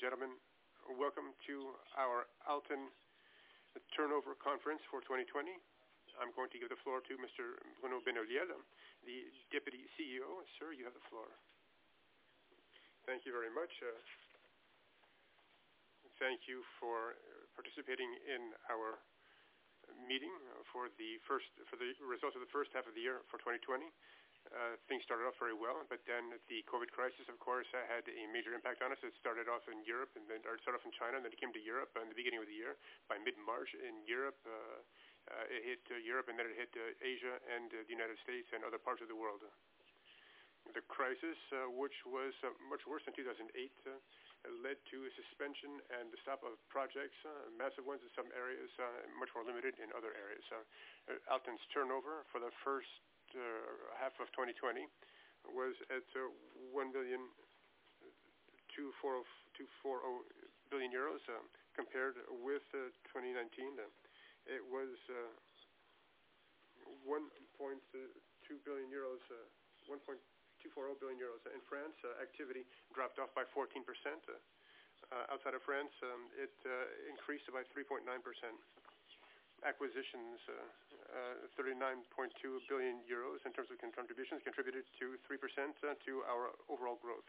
Ladies and gentlemen, welcome to our Alten Turnover Conference for 2020. I'm going to give the floor to Mr. Bruno Benoliel, the Deputy CEO. Sir, you have the floor. Thank you very much. Thank you for participating in our meeting for the results of the first half of the year for 2020. Things started off very well, the COVID crisis, of course, had a major impact on us. It started off in China, it came to Europe in the beginning of the year. By mid-March, it hit Europe, Asia, the United States, and other parts of the world. The crisis, which was much worse than 2008, led to a suspension and the stop of projects, massive ones in some areas and much more limited in other areas. Alten's turnover for the first half of 2020 was at 1.240 billion compared with 2019's. It was 1.240 billion euros in France. Activity dropped off by 14%. Outside of France, it increased by 3.9%. Acquisitions, 39.2 billion euros in terms of contributions, contributed 3% to our overall growth.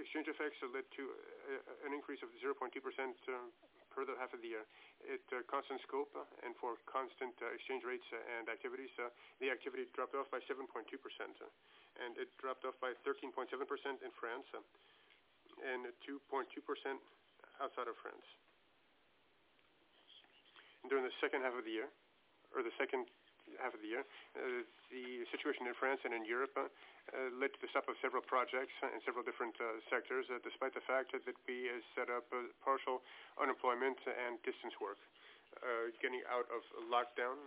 Exchange effects led to an increase of 0.2% for the half of the year. At constant scope and for constant exchange rates and activities, the activity dropped off by 7.2%, and it dropped off by 13.7% in France and 2.2% outside of France. During the second half of the year, the situation in France and in Europe led to the stop of several projects in several different sectors, despite the fact that we had set up partial unemployment and distance work. Getting out of lockdown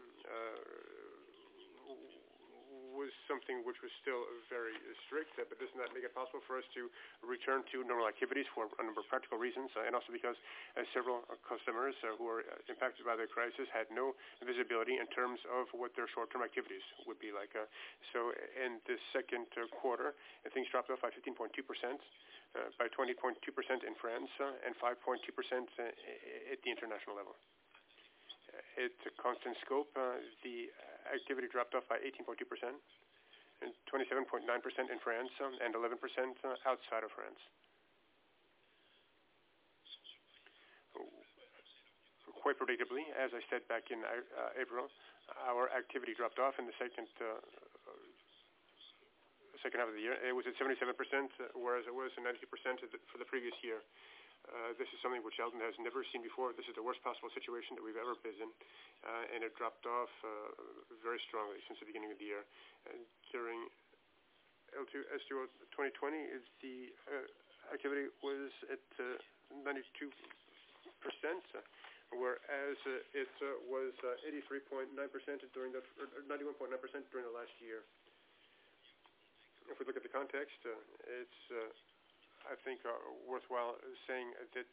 was something that was still very strict but does not make it possible for us to return to normal activities for a number of practical reasons and also because several customers who were impacted by the crisis had no visibility in terms of what their short-term activities would be like. In the second quarter, things dropped off by 15.2%, by 20.2% in France, and by 5.2% at the international level. At constant scope, the activity dropped off by 18.2% and 27.9% in France and 11% outside of France. Quite predictably, as I said back in April, our activity dropped off in the second half of the year. It was at 77%, whereas it was at 90% for the previous year. This is something which Alten has never seen before. This is the worst possible situation that we've ever been in, and it dropped off very strongly since the beginning of the year. During [inaudible] 2020, the activity was at 92%, whereas it was 91.9% during the last year. If we look at the context, it's, I think, worthwhile saying that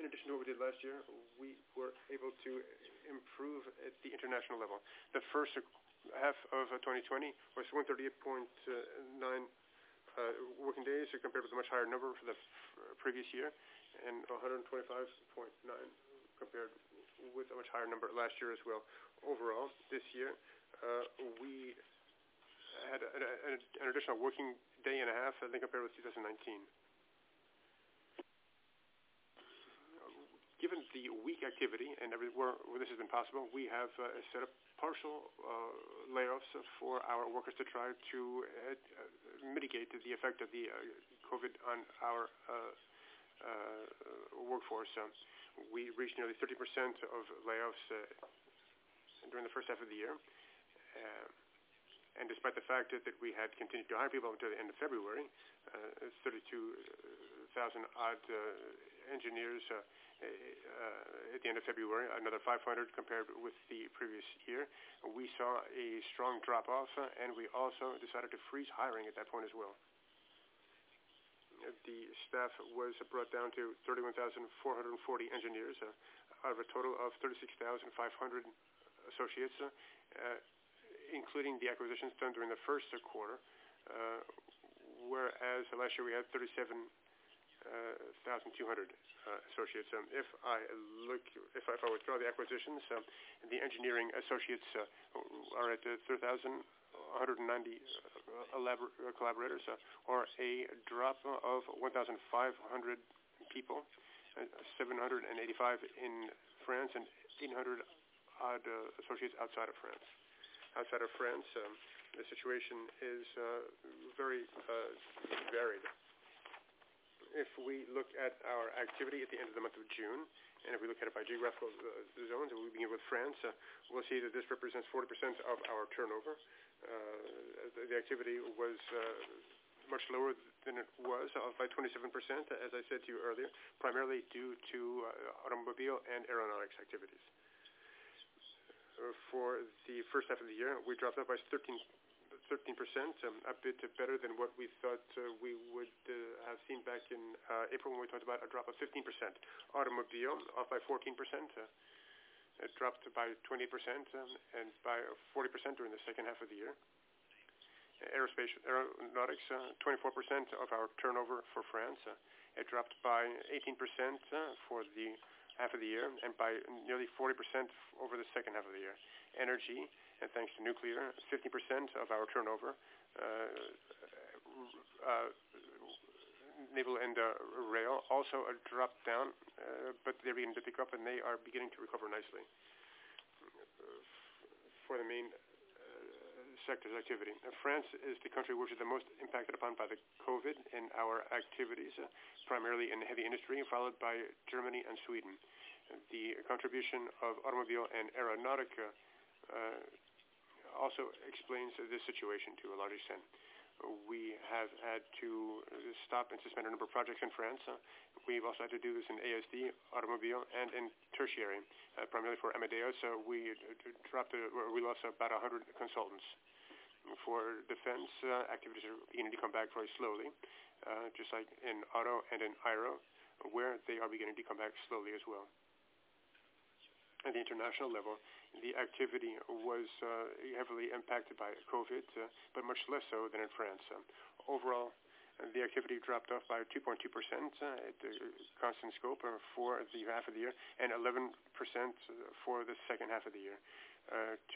in addition to what we did last year, we were able to improve at the international level. The first half of 2020 was 138.9 working days compared with a much higher number for the previous year and 125.9 compared with a much higher number last year, as well. Overall, this year, we had an additional working day and a half, I think, compared with 2019. Given the weak activity, and everywhere where this has been possible, we have set up partial layoffs for our workers to try to mitigate the effect of COVID on our workforce. We reached nearly 30% layoffs during the first half of the year. Despite the fact that we had continued to hire people until the end of February, 32,000 odd engineers at the end of February, another 500 compared with the previous year. We saw a strong drop-off, and we also decided to freeze hiring at that point as well. The staff was brought down to 31,440 engineers out of a total of 36,500 associates, including the acquisitions done during the first quarter, whereas last year we had 37,200 associates. If I withdraw the acquisitions, the engineering associates are at, [inaudible] a drop of 1,500 people: 785 in France and 1,800 odd associates outside of France. Outside of France, the situation is very varied. If we look at our activity at the end of the month of June, if we look at it by geographical zones, we begin with France, and we will see that this represents 40% of our turnover. The activity was much lower than it was, off by 27%, as I said to you earlier, primarily due to automobile and aeronautics activities. For the first half of the year, we dropped off by 13%, a bit better than what we thought we would have seen back in April when we talked about a drop of 15%. Automobiles, off by 14%, dropped by 20% and by 40% during the second half of the year. Aeronautics, 24% of our turnover for France. It dropped by 18% for the half of the year and by nearly 40% over the second half of the year. Energy, thanks to nuclear, is 50% of our turnover. Naval and rail also have a drop-down, but they're beginning to pick up, and they are beginning to recover nicely. For the main sectors' activity, France is the country that is the most impacted by the COVID in our activities, primarily in heavy industry, followed by Germany and Sweden. The contribution of automobiles and aeronautics also explains this situation to a large extent. We have had to stop and suspend a number of projects in France. We've also had to do this in ASD, automobile, and tertiary, primarily for Amadeus. We lost about 100 consultants. For defense, activities are beginning to come back very slowly, just like in auto and in aero, where they are beginning to come back slowly as well. At the international level, the activity was heavily impacted by COVID, but much less so than in France. Overall, the activity dropped off by 2.2% at the constant scope for the half of the year and 11% for the second half of the year,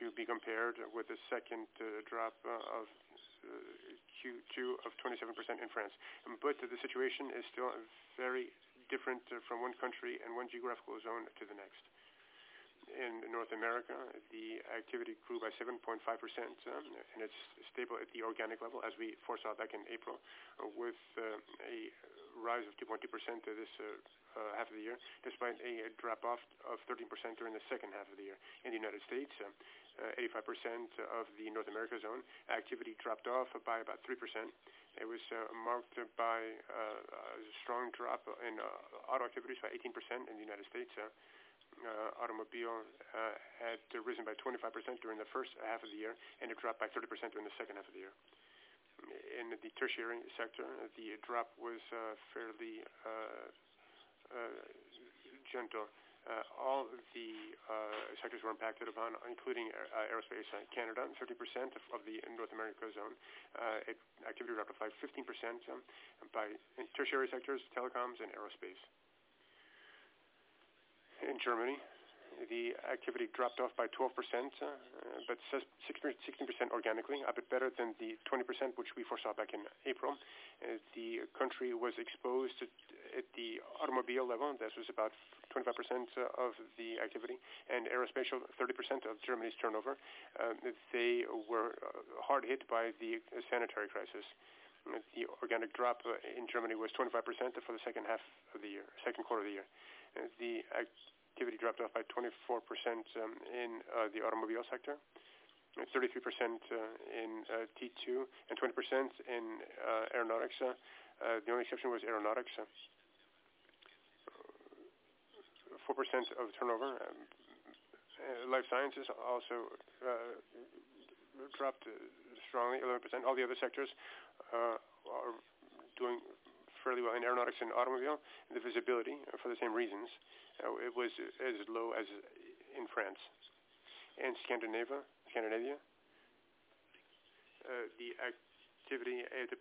to be compared with the second drop of Q2 of 27% in France. The situation is still very different from one country and one geographical zone to the next. In North America, the activity grew by 7.5%, and it's stable at the organic level, as we foresaw back in April, with a rise of 2.2% this half of the year, despite a drop-off of 13% during the second half of the year. In the U.S., 85% of the North American zone activity dropped off by about 3%. It was marked by a strong drop in auto activities by 18% in the U.S. Automobile had risen by 25% during the first half of the year, and it dropped by 30% during the second half of the year. In the tertiary sector, the drop was fairly gentle. All the sectors were impacted, including Aerospace. In Canada, 30% of the North America zone activity dropped by 15% in tertiary sectors, telecoms, and Aerospace. In Germany, the activity dropped off by 12% but 16% organically, a bit better than the 20% that we foresaw back in April. The country was exposed at the Automobile level. This was about 25% of the activity. Aerospace, 30% of Germany's turnover. They were hard hit by the sanitary crisis. The organic drop in Germany was 25% for the second quarter of the year. The activity dropped off by 24% in the Automobile sector, 33% in T2, and 20% in Aeronautics. The only exception was Aeronautics, 4% of turnover. Life sciences also dropped strongly, 11%. All the other sectors are doing fairly well in aeronautics and automobiles. The visibility, for the same reasons, was as low as in France. In Scandinavia, the activity at the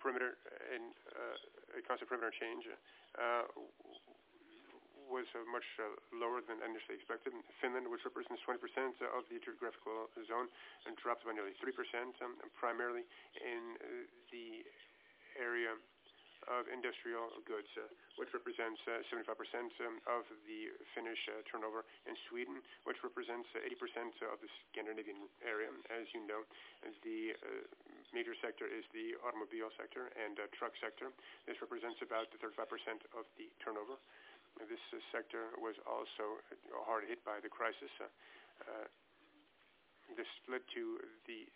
constant perimeter change was much lower than initially expected. Finland, which represents 20% of the geographical zone and dropped by nearly 3%, primarily in the area of industrial goods, which represents 75% of the Finnish turnover. Sweden, which represents 80% of the Scandinavian area. As you know, the major sector is the automobile sector and truck sector. This represents about 35% of the turnover. This sector was also hard hit by the crisis. This led to the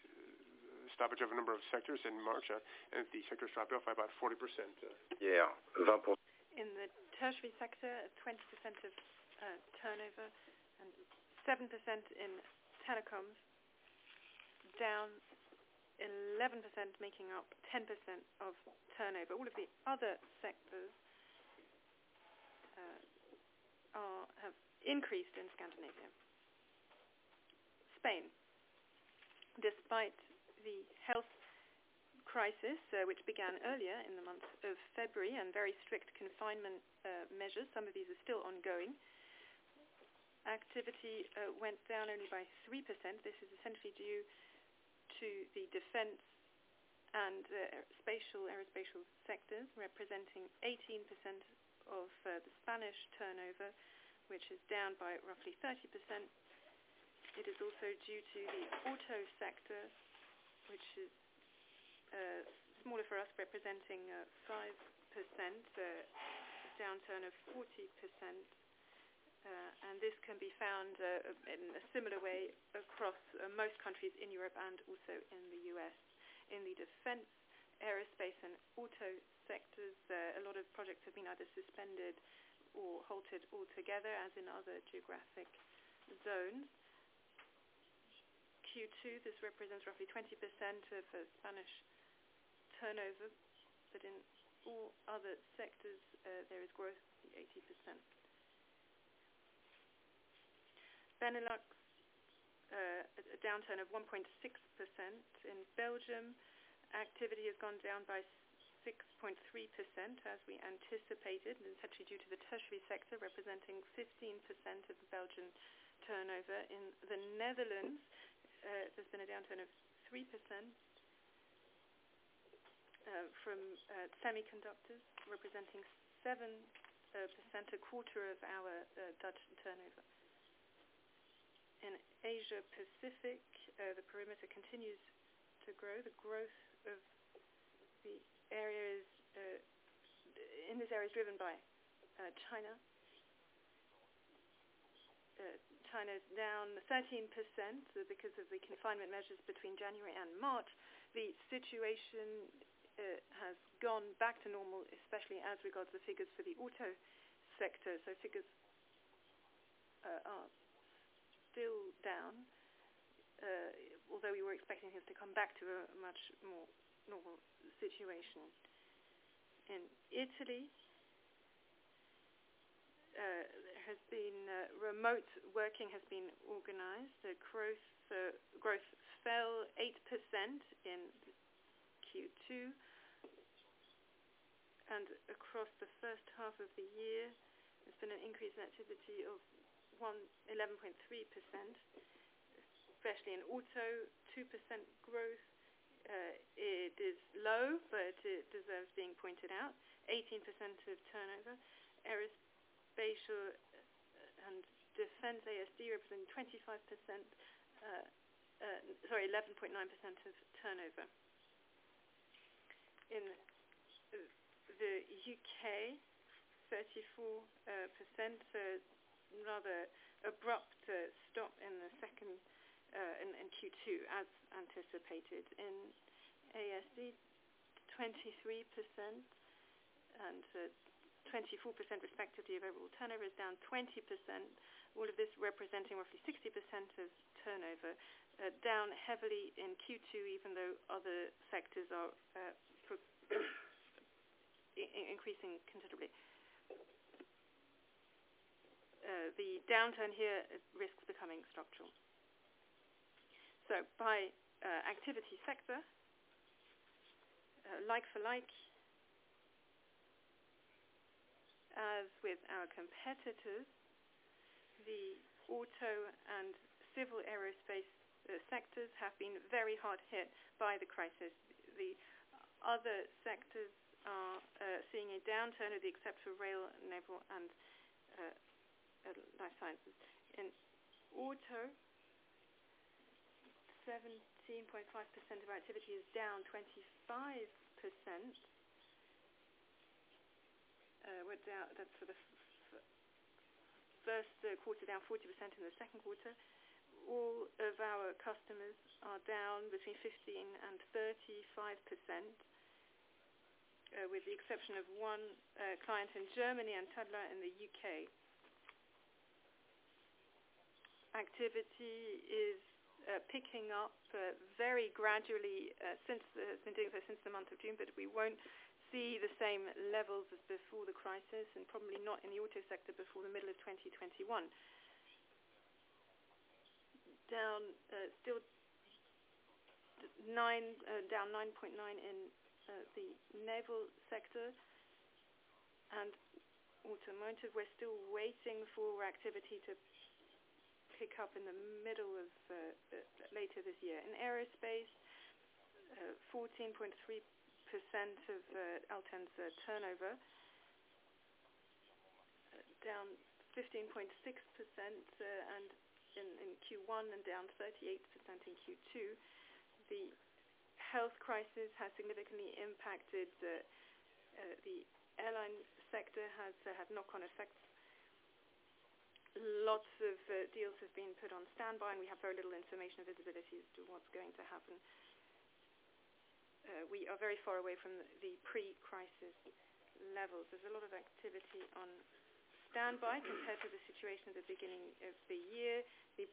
stoppage of a number of sectors in March, and the sector dropped off by about 40%. In the tertiary sector, at 20% of turnover, and 7% in telecoms, down 11%, making up 10% of turnover. All of the other sectors have increased in Scandinavia and Spain. Despite the health crisis, which began earlier in the month of February, and very strict confinement measures, some of these are still ongoing. Activity went down only by 3%. This is essentially due to the defense and the aerospace sectors, representing 18% of the Spanish turnover, which is down by roughly 30%. It is also due to the auto sector, which is smaller for us, representing 5%, a downturn of 40%. This can be found in a similar way across most countries in Europe and also in the U.S. In the defense, aerospace, and auto sectors, a lot of projects have been either suspended or halted altogether, as in other geographic zones. Q2 represents roughly 20% of the Spanish turnover, but in all other sectors, there is growth of 80%. Benelux, a downturn of 1.6%. In Belgium, activity has gone down by 6.3% as we anticipated, and it's actually due to the tertiary sector representing 15% of the Belgian turnover. In the Netherlands, there's been a downturn of 3% from semiconductors, representing 7%, a quarter of our Dutch turnover. In Asia Pacific, the perimeter continues to grow. The growth in this area is driven by China. China is down 13% because of the confinement measures between January and March. The situation has gone back to normal, especially as regards the figures for the auto sector. Figures are still down, although we were expecting it to come back to a much more normal situation. In Italy, remote working has been organized. Growth fell 8% in Q2, and across the first half of the year, there's been an increase in activity of 11.3%, especially in auto, 2% growth. It is low, but it deserves being pointed out: 18% of turnover. Aerospace and Defense, or ASD, represents 11.9% of turnover. In the U.K., 34%. Another abrupt stop in Q2 as anticipated. In ASD, 23% and 24%, respectively, of overall turnover is down 20%. All of this representing roughly 60% of turnover, down heavily in Q2 even though other sectors are increasing considerably. The downturn here risks becoming structural. By activity sector, like for like, as with our competitors, the auto and civil aerospace sectors have been very hard hit by the crisis. The other sectors are seeing a downturn with the exception of rail, naval, and life sciences. In auto, 17.5% of activity is down 25%, with the first quarter down 40% in the second quarter. All of our customers are down between 15% and 35%, with the exception of one client in Germany and Tedlar in the U.K. Activity is picking up very gradually. It's been doing so since the month of June, but we won't see the same levels as before the crisis and probably not in the auto sector before the middle of 2021. Down 9.9% in the naval and automotive sectors. We're still waiting for activity to pick up in the middle of the year. In aerospace, 14.3% of Alten's turnover, down 15.6% in Q1 and down 38% in Q2. The health crisis has significantly impacted the airline sector and has had knock-on effects. Lots of deals have been put on standby, and we have very little information visibility as to what's going to happen. We are very far away from the pre-crisis levels. There's a lot of activity on standby compared to the situation at the beginning of the year. The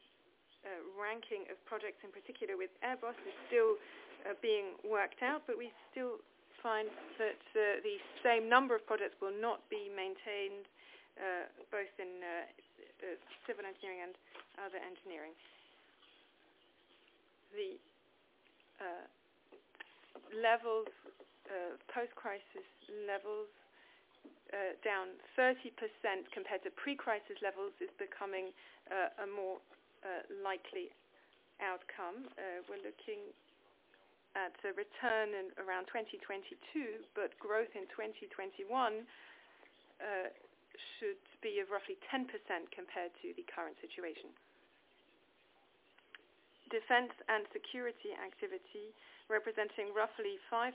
ranking of projects in particular with Airbus is still being worked out, but we still find that the same number of products will not be maintained in civil engineering and other engineering. The post-crisis levels being down 30% compared to pre-crisis levels are becoming a more likely outcome. We're looking at a return in around 2022, but growth in 2021 should be roughly 10% compared to the current situation. Defense and security activity, representing roughly 5%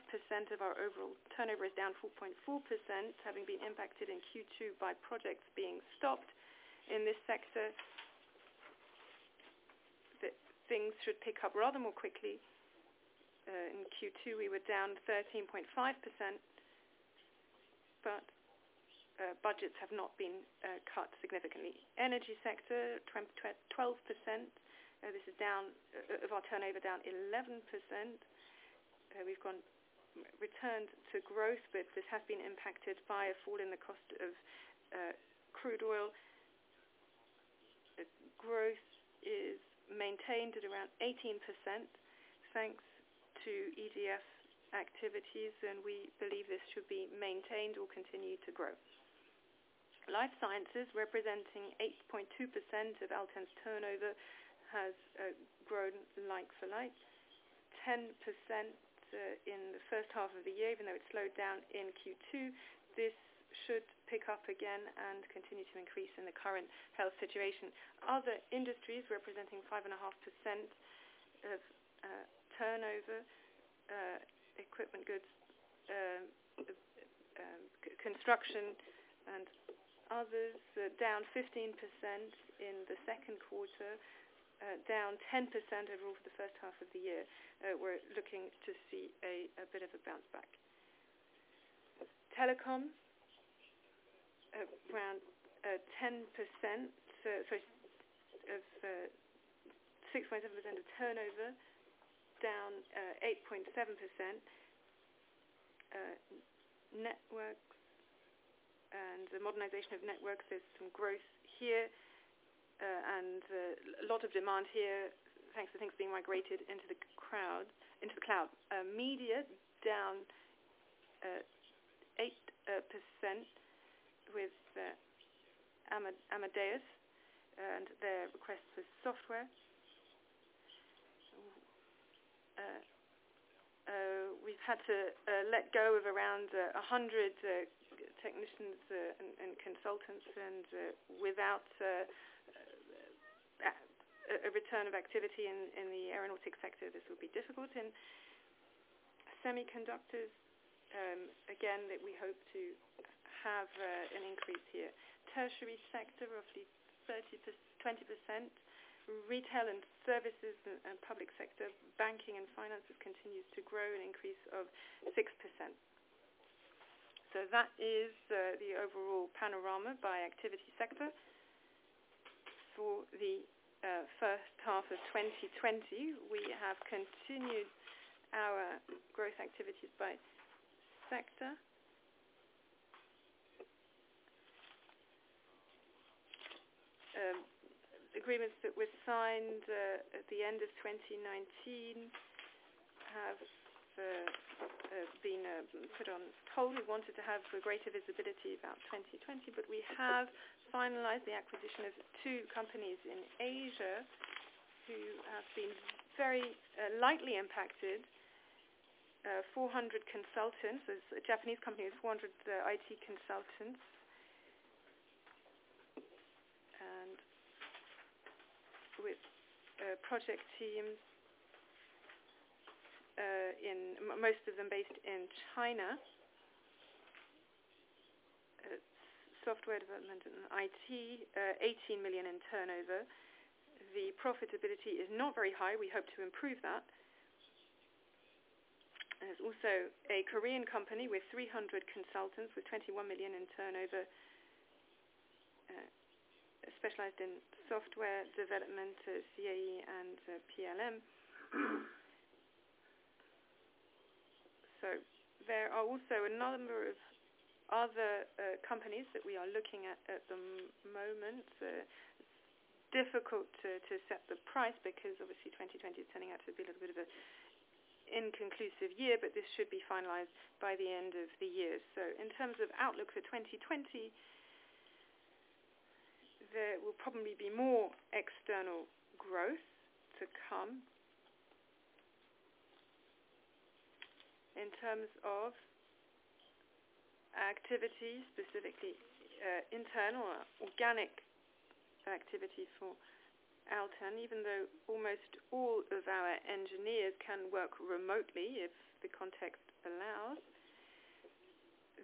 of our overall turnover, is down 4.4%, having been impacted in Q2 by projects being stopped in this sector; things should pick up rather more quickly. In Q2, we were down 13.5%. Budgets have not been cut significantly. Energy sector: 12% of our turnover is down 11%. We've returned to growth. This has been impacted by a fall in the cost of crude oil. Growth is maintained at around 18% thanks to EDF activities. We believe this should be maintained or continue to grow. Life sciences, representing 8.2% of Alten's turnover, has grown like-for-like 10% in the first half of the year, even though it slowed down in Q2. This should pick up again and continue to increase in the current health situation. Other industries representing 5.5% of turnover. Equipment, goods, construction, and others are down 15% in the second quarter and down 10% overall for the first half of the year. We're looking to see a bit of a bounce back. Telecom, around 10% of turnover, down 8.7%. Networks and the modernization of networks. There's some growth here and a lot of demand here, thanks to things being migrated into the cloud. Media, down 8% with Amadeus and their request for software. We've had to let go of around 100 technicians and consultants, and without a return of activity in the aeronautics sector, this will be difficult. Semiconductors, again, that we hope to have an increase here. Tertiary sector, roughly 20%. Retail and services and public sector banking and finances continue to grow, an increase of 6%. That is the overall panorama by activity sector for the first half of 2020. We have continued our growth activities by sector. Agreements that were signed at the end of 2019 have been put on hold. We wanted to have greater visibility about 2020. We have finalized the acquisition of two companies in Asia who have been very lightly impacted. A Japanese company with 400 IT consultants and with project teams, most of them based in China. Software development and IT, 18 million in turnover. The profitability is not very high. We hope to improve that. There's also a Korean company with 300 consultants with 21 million in turnover, specialized in software development, CAE and PLM. There are also a number of other companies that we are looking at at the moment. Difficult to set the price because obviously 2020 is turning out to be a bit of an inconclusive year. This should be finalized by the end of the year. In terms of outlook for 2020, there will probably be more external growth to come. In terms of activity, specifically internal or organic activity for Alten, even though almost all of our engineers can work remotely if the context allows,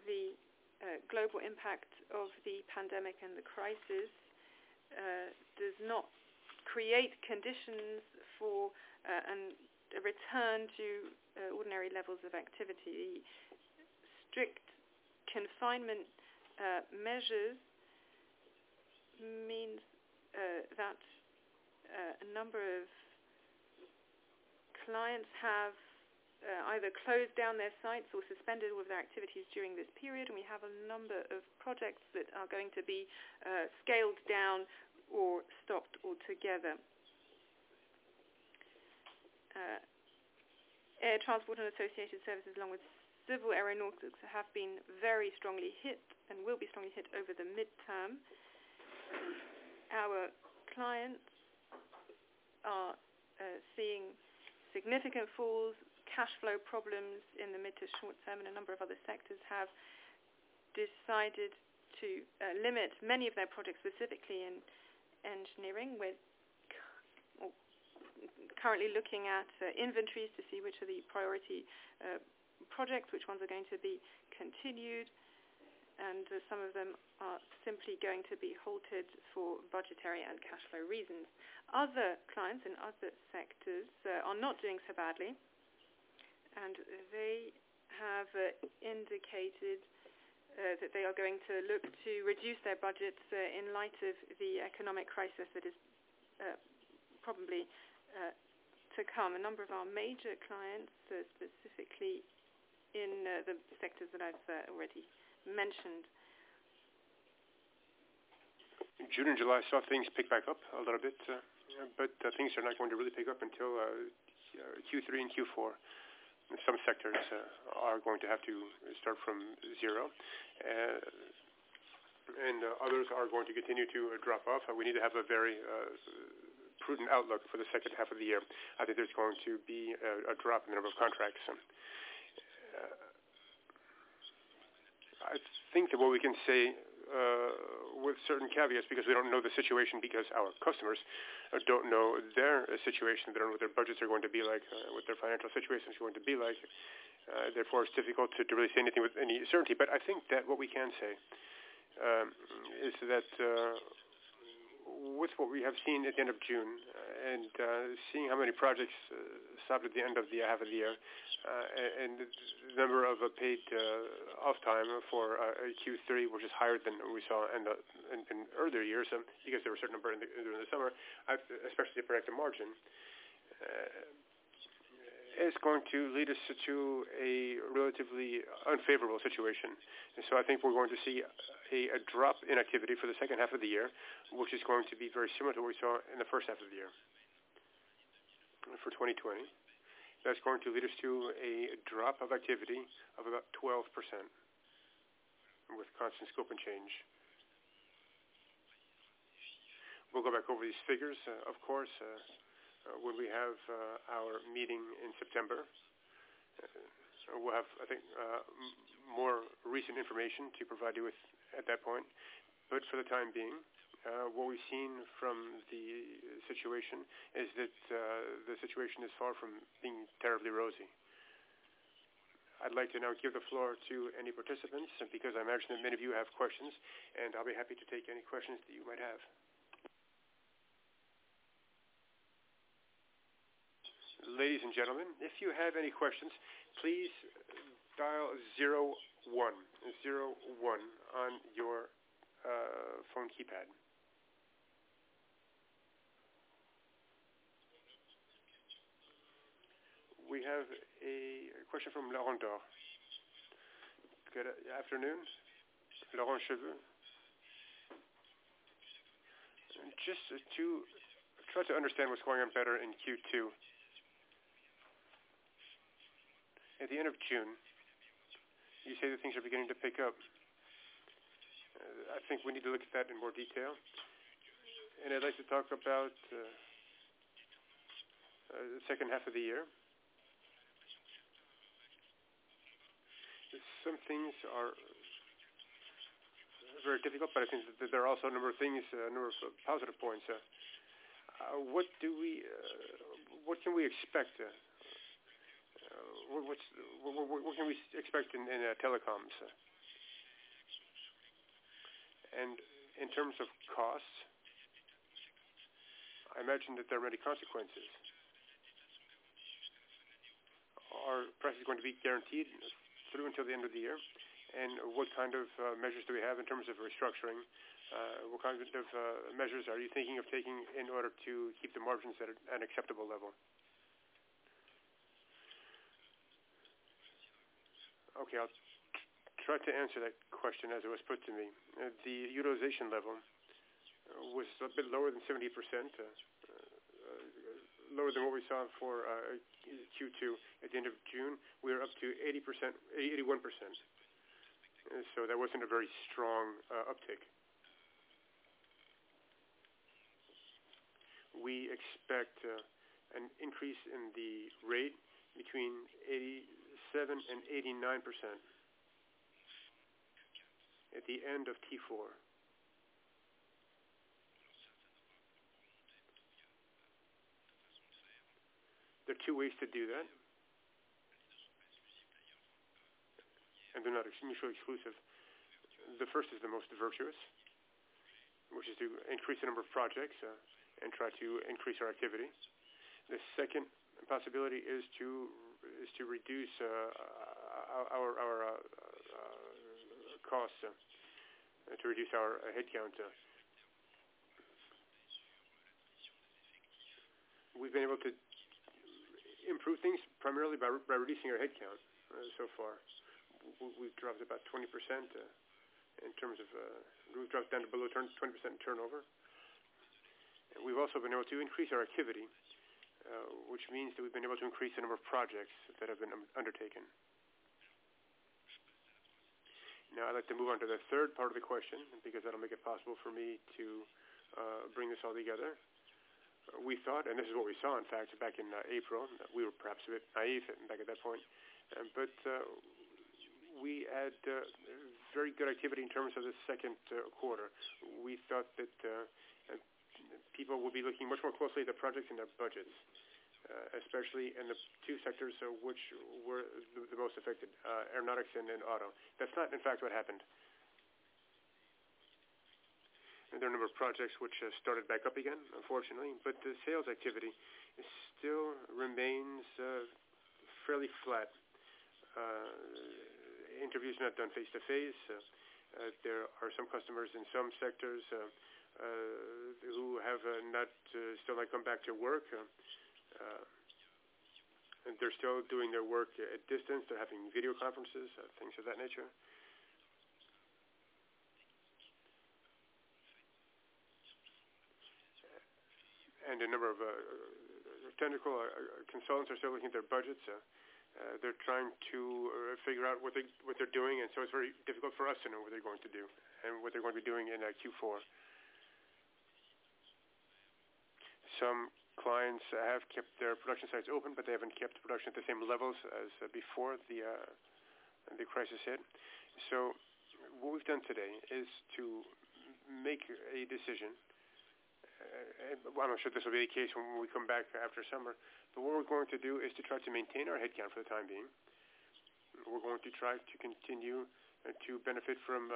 the global impact of the pandemic and the crisis does not create conditions for a return to ordinary levels of activity. Strict confinement measures mean that a number of clients have either closed down their sites or suspended all of their activities during this period, and we have a number of projects that are going to be scaled down or stopped altogether. Air transport and associated services, along with civil aeronautics, have been very strongly hit and will be strongly hit over the midterm. Our clients are seeing significant falls and cash flow problems in the mid- to short term, and a number of other sectors have decided to limit many of their projects, specifically in engineering, and are currently looking at inventories to see which are the priority projects and which ones are going to be continued. Some of them are simply going to be halted for budgetary and cash flow reasons. Other clients in other sectors are not doing so badly, and they have indicated that they are going to look to reduce their budgets in light of the economic crisis that is probably to come. A number of our major clients, specifically in the sectors that I've already mentioned. June and July saw things pick back up a little bit. Things are not going to really pick up until Q3 and Q4. Some sectors are going to have to start from zero. Others are going to continue to drop off. We need to have a very prudent outlook for the second half of the year. I think there's going to be a drop in the number of contracts. I think that what we can say with certain caveats, because we don't know the situation and because our customers don't know their situation. They don't know what their budgets are going to be like, what their financial situation is going to be like. Therefore, it's difficult to really say anything with any certainty. I think that what we can say is that with what we have seen at the end of June and seeing how many projects stopped at the end of the half of the year and the number of paid-off times for Q3, which is higher than we saw in earlier years because there were a certain number during the summer, especially operating margin is going to lead us to a relatively unfavorable situation. I think we're going to see a drop in activity for the second half of the year, which is going to be very similar to what we saw in the first half of the year for 2020. That's going to lead us to a drop of activity of about 12% with constant scope and exchange. We'll go back over these figures, of course, when we have our meeting in September. We'll have, I think, more recent information to provide you with at that point. For the time being what we've seen from the situation is that the situation is far from being terribly rosy. I'd like to now give the floor to any participants, because I imagine that many of you have questions, and I'll be happy to take any questions that you might have. Ladies and gentlemen, if you have any questions, please dial zero one on your phone keypad. We have a question from Laurent Chauvier. Good afternoon, Laurent Chauvier. Just to try to understand what's going on better in Q2. At the end of June, you say that things are beginning to pick up. I think we need to look at that in more detail. I'd like to talk about the second half of the year. Some things are very difficult, but I think that there are also a number of positive points. What can we expect in telecoms? In terms of costs, I imagine that there are many consequences. Are prices going to be guaranteed through until the end of the year? What kind of measures do we have in terms of restructuring? What kind of measures are you thinking of taking in order to keep the margins at an acceptable level? Okay. I'll try to answer that question as it was put to me. The utilization level was a bit lower than 70%, lower than what we saw for Q2 at the end of June. We are up to 81%. That wasn't a very strong uptick. We expect an increase in the rate between 87% and 89% at the end of Q4. There are two ways to do that, and they're not mutually exclusive. The first is the most virtuous, which is to increase the number of projects and try to increase our activity. The second possibility is to reduce our costs and to reduce our headcount. We've been able to improve things primarily by reducing our headcount so far. We've dropped down to below 20% turnover. We've also been able to increase our activity, which means that we've been able to increase the number of projects that have been undertaken. Now, I'd like to move on to the third part of the question, because that'll make it possible for me to bring this all together. We thought, and this is what we saw, in fact, back in April. We were perhaps a bit naive back at that point. We had very good activity in terms of the second quarter. We thought that people would be looking much more closely at their projects and their budgets. Especially in the two sectors that were the most affected, aeronautics and then auto. That's not in fact what happened. There are a number of projects that have started back up again, unfortunately. The sales activity still remains fairly flat. Interviews are not done face-to-face. There are some customers in some sectors who have still not come back to work. They're still doing their work at a distance. They're having video conferences, things of that nature. A number of technical consultants are still looking at their budgets. They're trying to figure out what they're doing, and so it's very difficult for us to know what they're going to do and what they're going to be doing in Q4. What we've done today is to make a decision. While I'm sure this will be the case when we come back after summer, what we're going to do is to try to maintain our headcount for the time being. We're going to try to continue to benefit from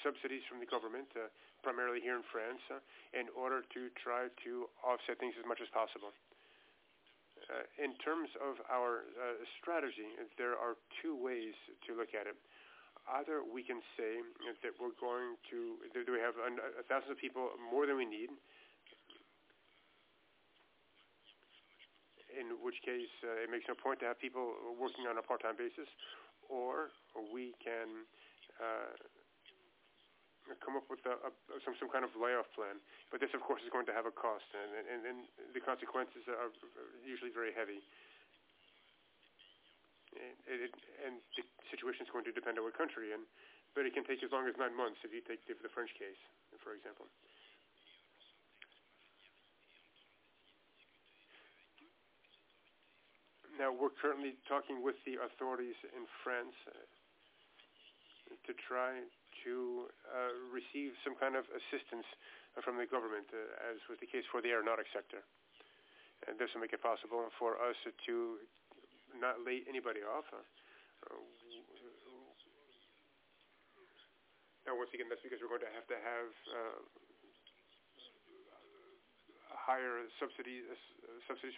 subsidies from the government, primarily here in France, in order to try to offset things as much as possible. In terms of our strategy, there are two ways to look at it. Either we can say that we have 1,000 people more than we need. In which case, it makes no point to have people working on a part-time basis. We can come up with some kind of layoff plan. This, of course, is going to have a cost, the consequences are usually very heavy. The situation's going to depend on what country, but it can take as long as nine months if you take the French case, for example. We're currently talking with the authorities in France to try to receive some kind of assistance from the government, as was the case for the aeronautics sector. This will make it possible for us to not lay anybody off. Once again, that's because we're going to have to have a higher subsidy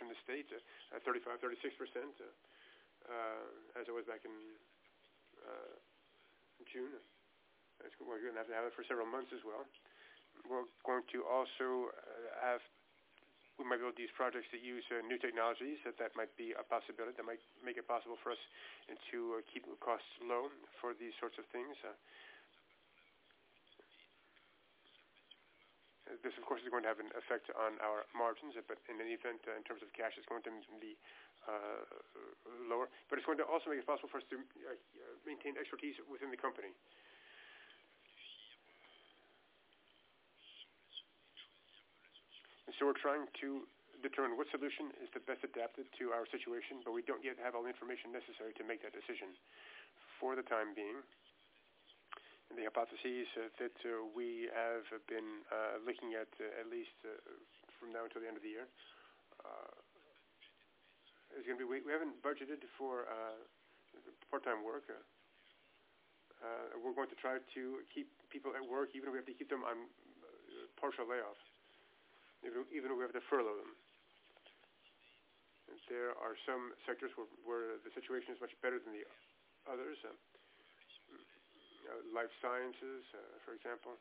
from the state at 35%-36%, as it was back in June. We're going to have to have it for several months as well. We might build these projects that use new technologies. That might make it possible for us to keep costs low for these sorts of things. This, of course, is going to have an effect on our margins. In any event, in terms of cash, it's going to be lower. It's going to also make it possible for us to maintain expertise within the company. We're trying to determine what solution is the best adapted to our situation, but we don't yet have all the information necessary to make that decision for the time being. The hypothesis that we have been looking at least from now until the end of the year is going to be we haven't budgeted for part-time work. We're going to try to keep people at work, even if we have to keep them on partial layoffs. Even if we have to furlough them. There are some sectors where the situation is much better than the others. Life sciences, for example,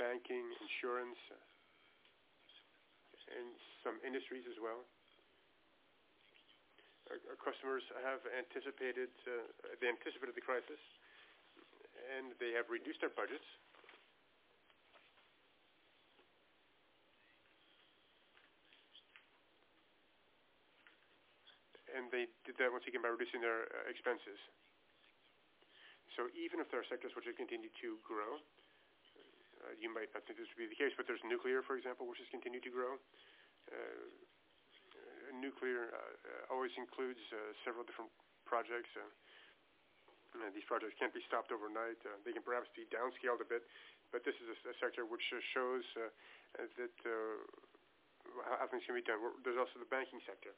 banking, insurance, and some industries as well. Our customers have anticipated the crisis, they have reduced their budgets. They did that once again by reducing their expenses. Even if there are sectors that have continued to grow, you might not think this would be the case, but there's nuclear, for example, which has continued to grow. Nuclear always includes several different projects. These projects can't be stopped overnight. They can perhaps be downscaled a bit, but this is a sector that shows that things can be done. There's also the banking sector.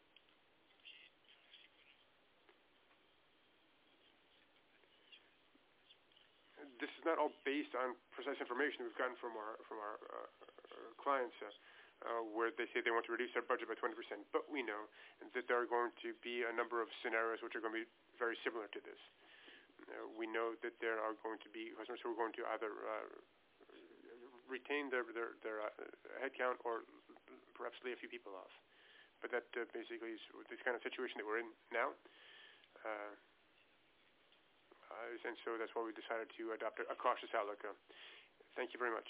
This is not all based on precise information we've gotten from our clients, where they say they want to reduce their budget by 20%. We know that there are going to be a number of scenarios that are going to be very similar to this. We know that there are going to be customers who are going to either retain their headcount or perhaps lay a few people off. That basically is the kind of situation that we're in now. That's why we decided to adopt a cautious outlook. Thank you very much.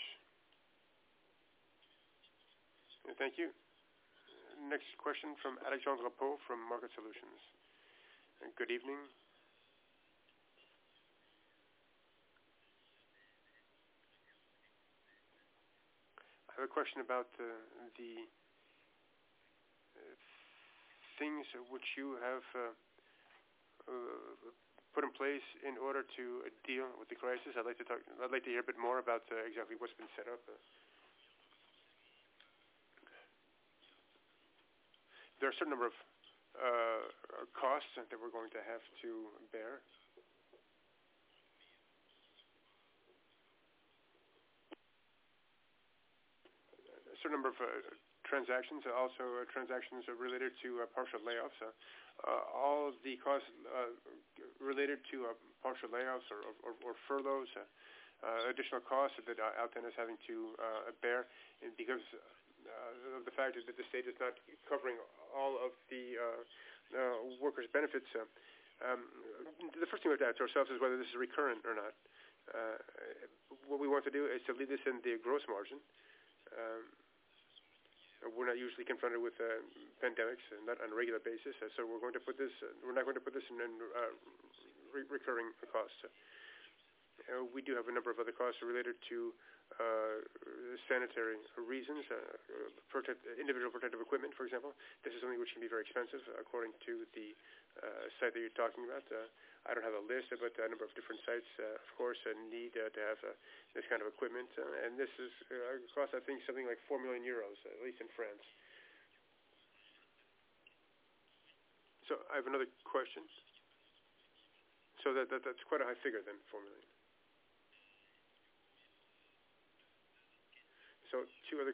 Thank you. Next question from Alexandre Plaud from CIC Market Solutions. Good evening. I have a question about the things that you have put in place in order to deal with the crisis. I'd like to hear a bit more about exactly what's been set up. There are a certain number of costs that we're going to have to bear. A certain number of transactions, also transactions related to partial layoffs. All the costs related to partial layoffs or furloughs, additional costs that Alten is having to bear because the fact is that the state is not covering all of the workers' benefits. The first thing we adapt to ourselves is whether this is recurrent or not. What we want to do is to leave this in the gross margin. We're not usually confronted with pandemics, not on a regular basis. We're not going to put this in recurring costs. We do have a number of other costs related to sanitary reasons, individual protective equipment, for example. This is something which can be very expensive according to the site that you're talking about. I don't have a list, but a number of different sites, of course, need to have this kind of equipment. This costs, I think, something like 4 million euros, at least in France. I have another question. That's quite a high figure then, EUR 4 million. Two other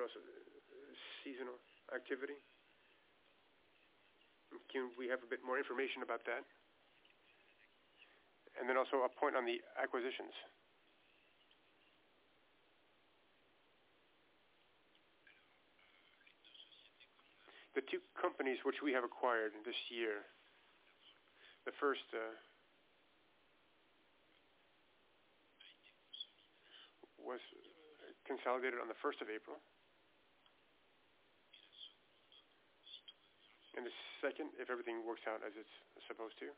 questions. There are also seasonal activities. Can we have a bit more information about that? Also a point on the acquisitions. The two companies that we have acquired this year, the first was consolidated on the 1st of April. The second, if everything works out as it's supposed to,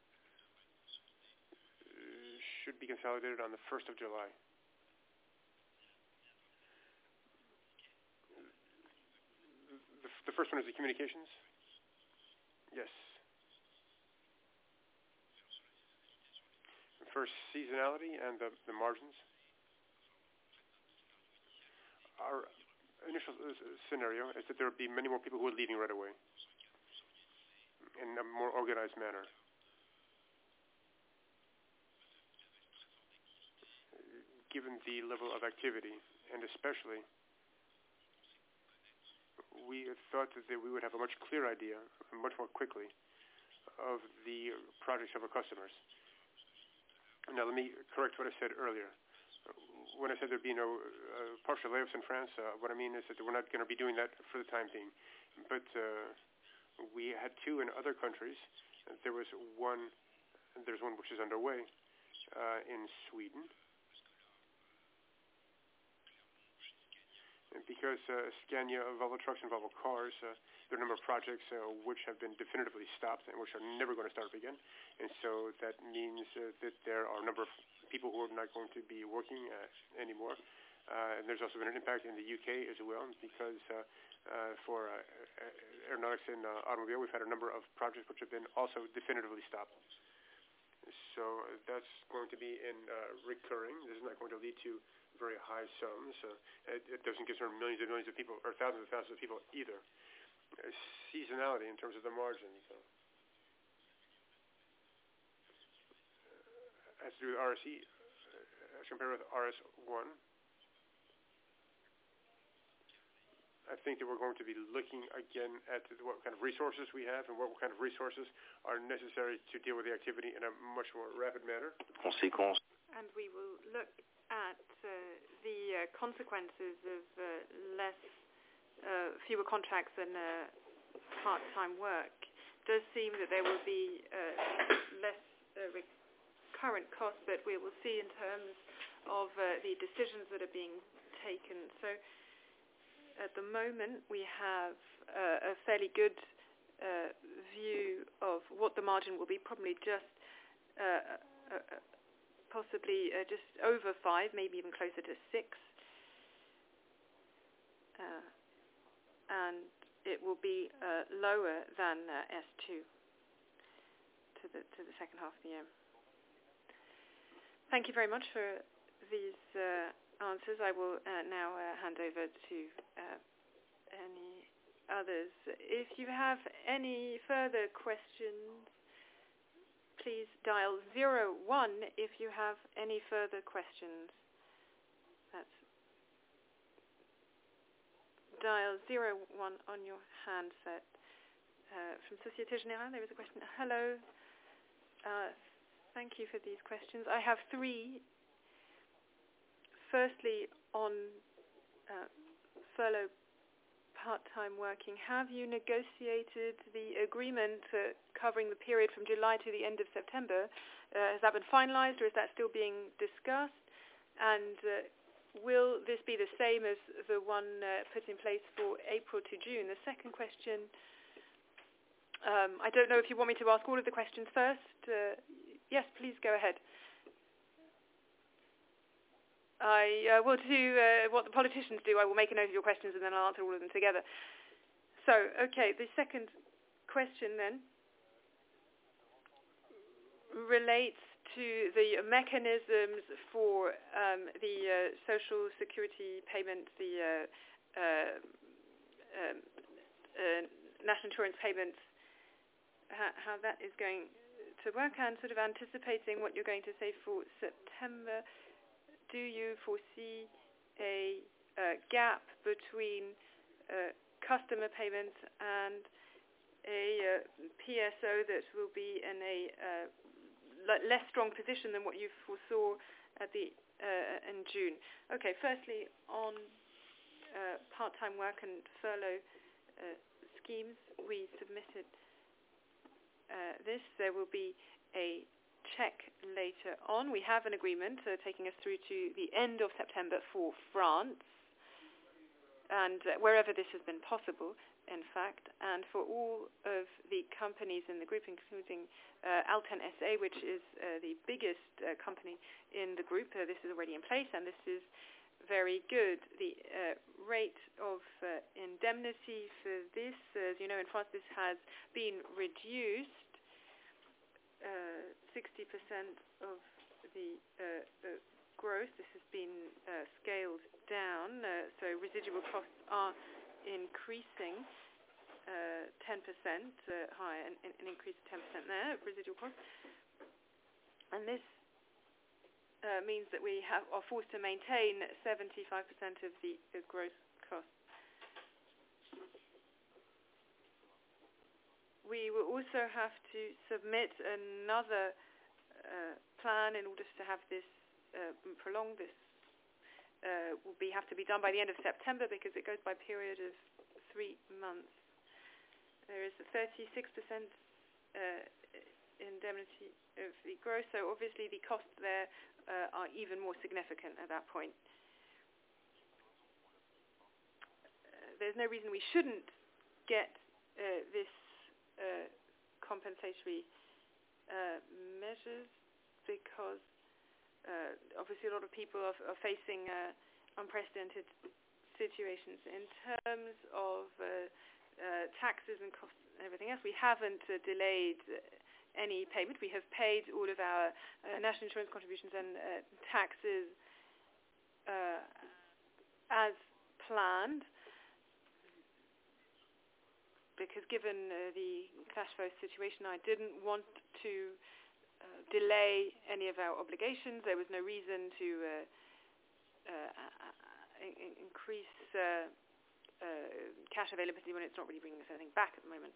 should be consolidated on the 1st of July. The first one is communications? Yes. The first seasonality and the margins? Our initial scenario is that there would be many more people who are leaving right away in a more organized manner. Given the level of activity, and especially, we had thought that we would have a much clearer idea, much more quickly, of the projects of our customers. Now, let me correct what I said earlier. When I said there'd be no partial layoffs in France, what I mean is that we're not going to be doing that for the time being. We had two in other countries. There's one that is underway in Sweden. Because of Scania, Volvo Trucks, and Volvo Cars, there are a number of projects that have been definitively stopped and that are never going to start up again. That means that there are a number of people who are not going to be working anymore. There's also been an impact in the U.K. as well because for aeronautics and automobiles, we've had a number of projects that have also been definitively stopped. That's going to be recurring. This is not going to lead to very high sums. It doesn't concern millions of millions of people or thousands of thousands of people either. Seasonality in terms of the margins. As to, [inaudible] compared with RS1, I think that we're going to be looking again at what kind of resources we have and what kind of resources are necessary to deal with the activity in a much more rapid manner. We will look at the consequences of fewer contracts and part-time work. It does seem that there will be less recurrent cost that we will see in terms of the decisions that are being taken. At the moment, we have a fairly good view of what the margin will be, possibly just over 5%, maybe even closer to 6%. It will be lower than H2 in the second half of the year. Thank you very much for these answers. I will now hand over to any others. If you have any further questions, please dial zero one. If you have any further questions, dial zero one on your handset. From Societe Generale, there is a question. Hello. Thank you for these questions. I have three. Firstly, on furlough part-time working, have you negotiated the agreement covering the period from July to the end of September? Has that been finalized, or is that still being discussed? Will this be the same as the one put in place for April to June? I don't know if you want me to ask all of the questions first. Yes, please go ahead. I will do what the politicians do. I will make a note of your questions, then I'll answer all of them together. The second question relates to the mechanisms for the Social Security payment, the national insurance payments, how that is going to work, and sort of anticipating what you're going to say for September. Do you foresee a gap between customer payments and a PSO that will be in a less strong position than what you foresaw in June? Firstly, on part-time work and furlough schemes, we submitted this. There will be a check later on. We have an agreement, taking us through to the end of September for France and wherever this has been possible, in fact. For all of the companies in the group, including Alten SA, which is the biggest company in the group, this is already in place, and this is very good. The rate of indemnity for this, as you know, in France, has been reduced by 60% of the growth. This has been scaled down. Residual costs are increasing 10% higher, an increase of 10% in residual costs. This means that we are forced to maintain 75% of the gross cost. We will also have to submit another plan in order to have this prolonged. This will have to be done by the end of September because it goes by a period of three months. There is a 36% indemnity of the gross. Obviously the costs there are even more significant at that point. There's no reason we shouldn't get these compensatory measures because obviously a lot of people are facing unprecedented situations. In terms of taxes and costs and everything else, we haven't delayed any payment. We have paid all of our national insurance contributions and taxes as planned. Given the cash flow situation, I didn't want to delay any of our obligations. There was no reason to increase cash availability when it's not really bringing us anything back at the moment.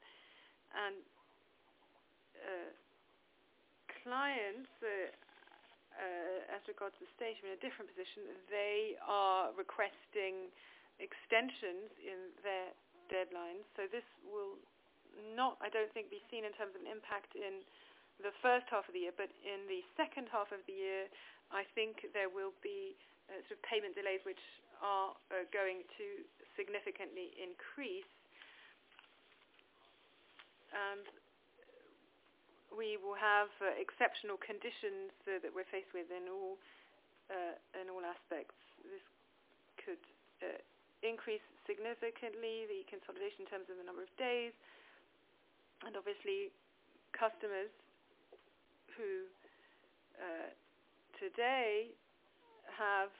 Clients, as regards the statement, are in a different position. They are requesting extensions in their deadlines. This will not, I don't think, be seen in terms of an impact in the first half of the year, but in the second half of the year, I think there will be sort of payment delays, which are going to significantly increase. We will have exceptional conditions that we're faced with in all aspects. This could increase significantly the consolidation in terms of the number of days. Obviously, for customers who today have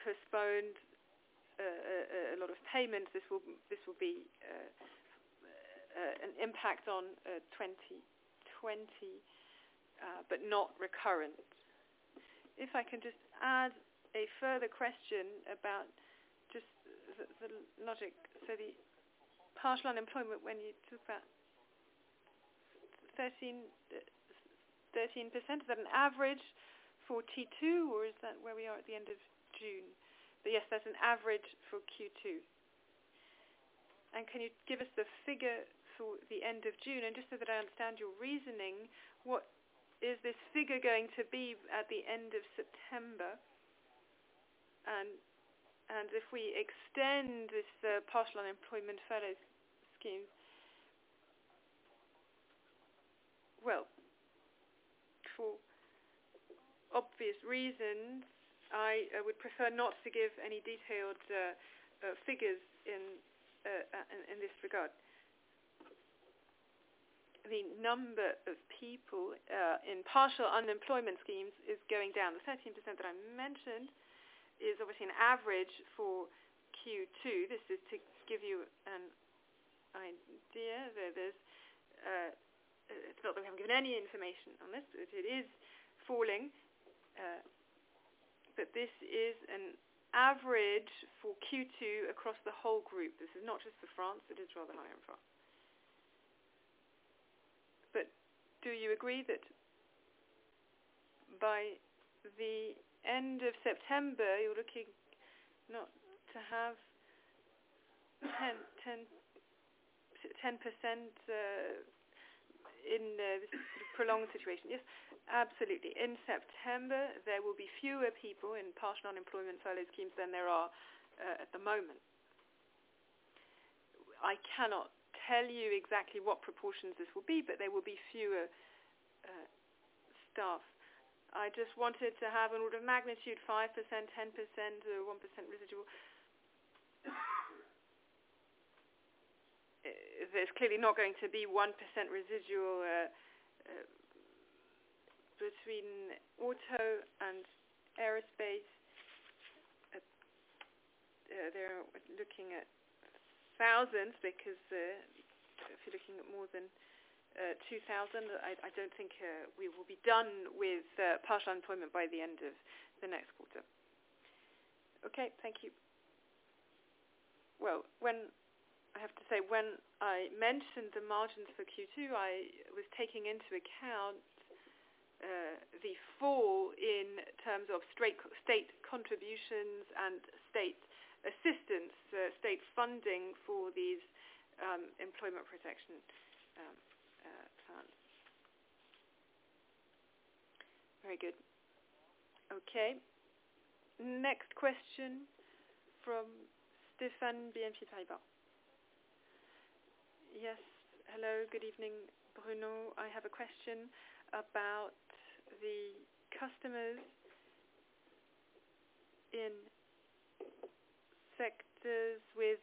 postponed a lot of payments, this will be an impact on 2020, but not recurrent. If I can just add a further question about just the logic. The partial unemployment, when you took that 13%, is that an average for Q2, or is that where we are at the end of June? Yes, that's an average for Q2. Can you give us the figure for the end of June? Just so that I understand your reasoning, what is this figure going to be at the end of September? If we extend this partial unemployment furlough scheme. Well, for obvious reasons, I would prefer not to give any detailed figures in this regard. The number of people in partial unemployment schemes is going down. The 13% that I mentioned is obviously an average for Q2. This is to give you an idea. It's not that we haven't given any information on this, but it is falling. This is an average for Q2 across the whole group. This is not just for France. It is rather high in France. Do you agree that by the end of September, you're looking not to have 10% in this prolonged situation? Yes, absolutely. In September, there will be fewer people in partial unemployment furlough schemes than there are at the moment. I cannot tell you exactly what proportions this will be, but there will be fewer staff. I just wanted to have an order of magnitude, 5%, 10%, or 1% residual. There's clearly not going to be 1% residual. Between auto and aerospace, they're looking at thousands because if you're looking at more than 2,000, I don't think we will be done with partial employment by the end of next quarter. Okay. Thank you. Well, I have to say, when I mentioned the margins for Q2, I was taking into account the fall in terms of state contributions and state assistance, state funding for these employment protection plans. Very good. Okay. Next question from Stephan, BNP Paribas. Yes. Hello, good evening, Bruno. I have a question about the customers in sectors; we're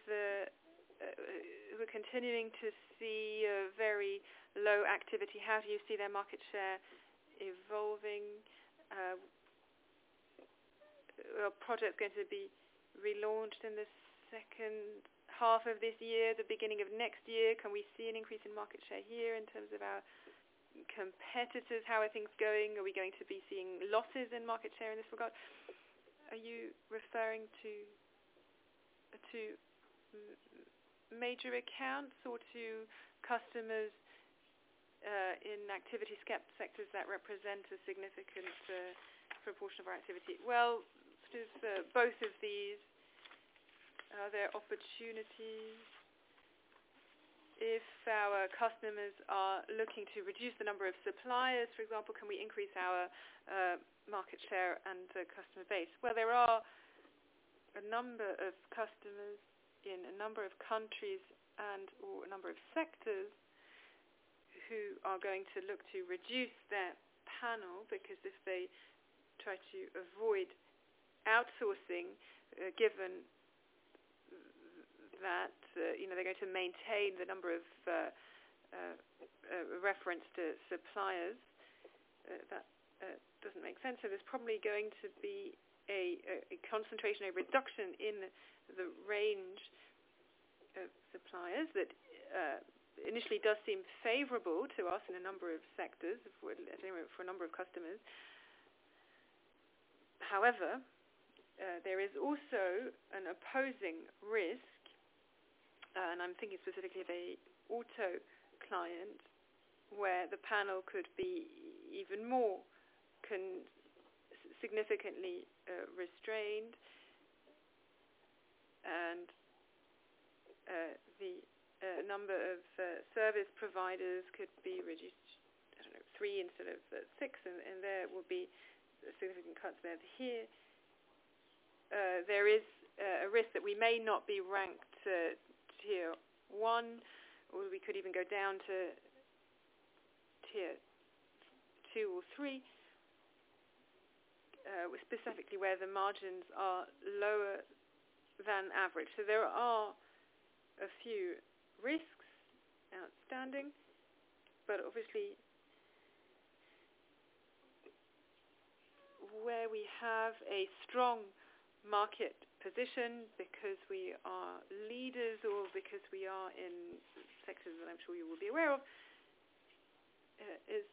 continuing to see very low activity. How do you see their market share evolving? Are projects going to be relaunched in the second half of this year, the beginning of next year? Can we see an increase in market share here in terms of our competitors? How are things going? Are we going to be seeing losses in market share in this regard? Are you referring to major accounts or to customers in activity sectors that represent a significant proportion of our activity? Well, both of these. Are there opportunities if our customers are looking to reduce the number of suppliers, for example, can we increase our market share and customer base? Well, there are a number of customers in a number of countries and/or a number of sectors who are going to look to reduce their panel, because if they try to avoid outsourcing, given that they're going to maintain the number of references to suppliers, that doesn't make sense. There's probably going to be a concentration, a reduction in the range of suppliers that initially does seem favorable to us in a number of sectors, at any rate, for a number of customers. There is also an opposing risk, and I'm thinking specifically of an auto client, where the panel could be even more significantly restrained and the number of service providers could be reduced, I don't know, to three instead of six, and there will be significant cuts there. Here, there is a risk that we may not be ranked tier one, or we could even go down to tier two or three, specifically where the margins are lower than average. There are a few risks outstanding, but obviously, where we have a strong market position because we are leaders or because we are in sectors that I'm sure you will be aware of, it is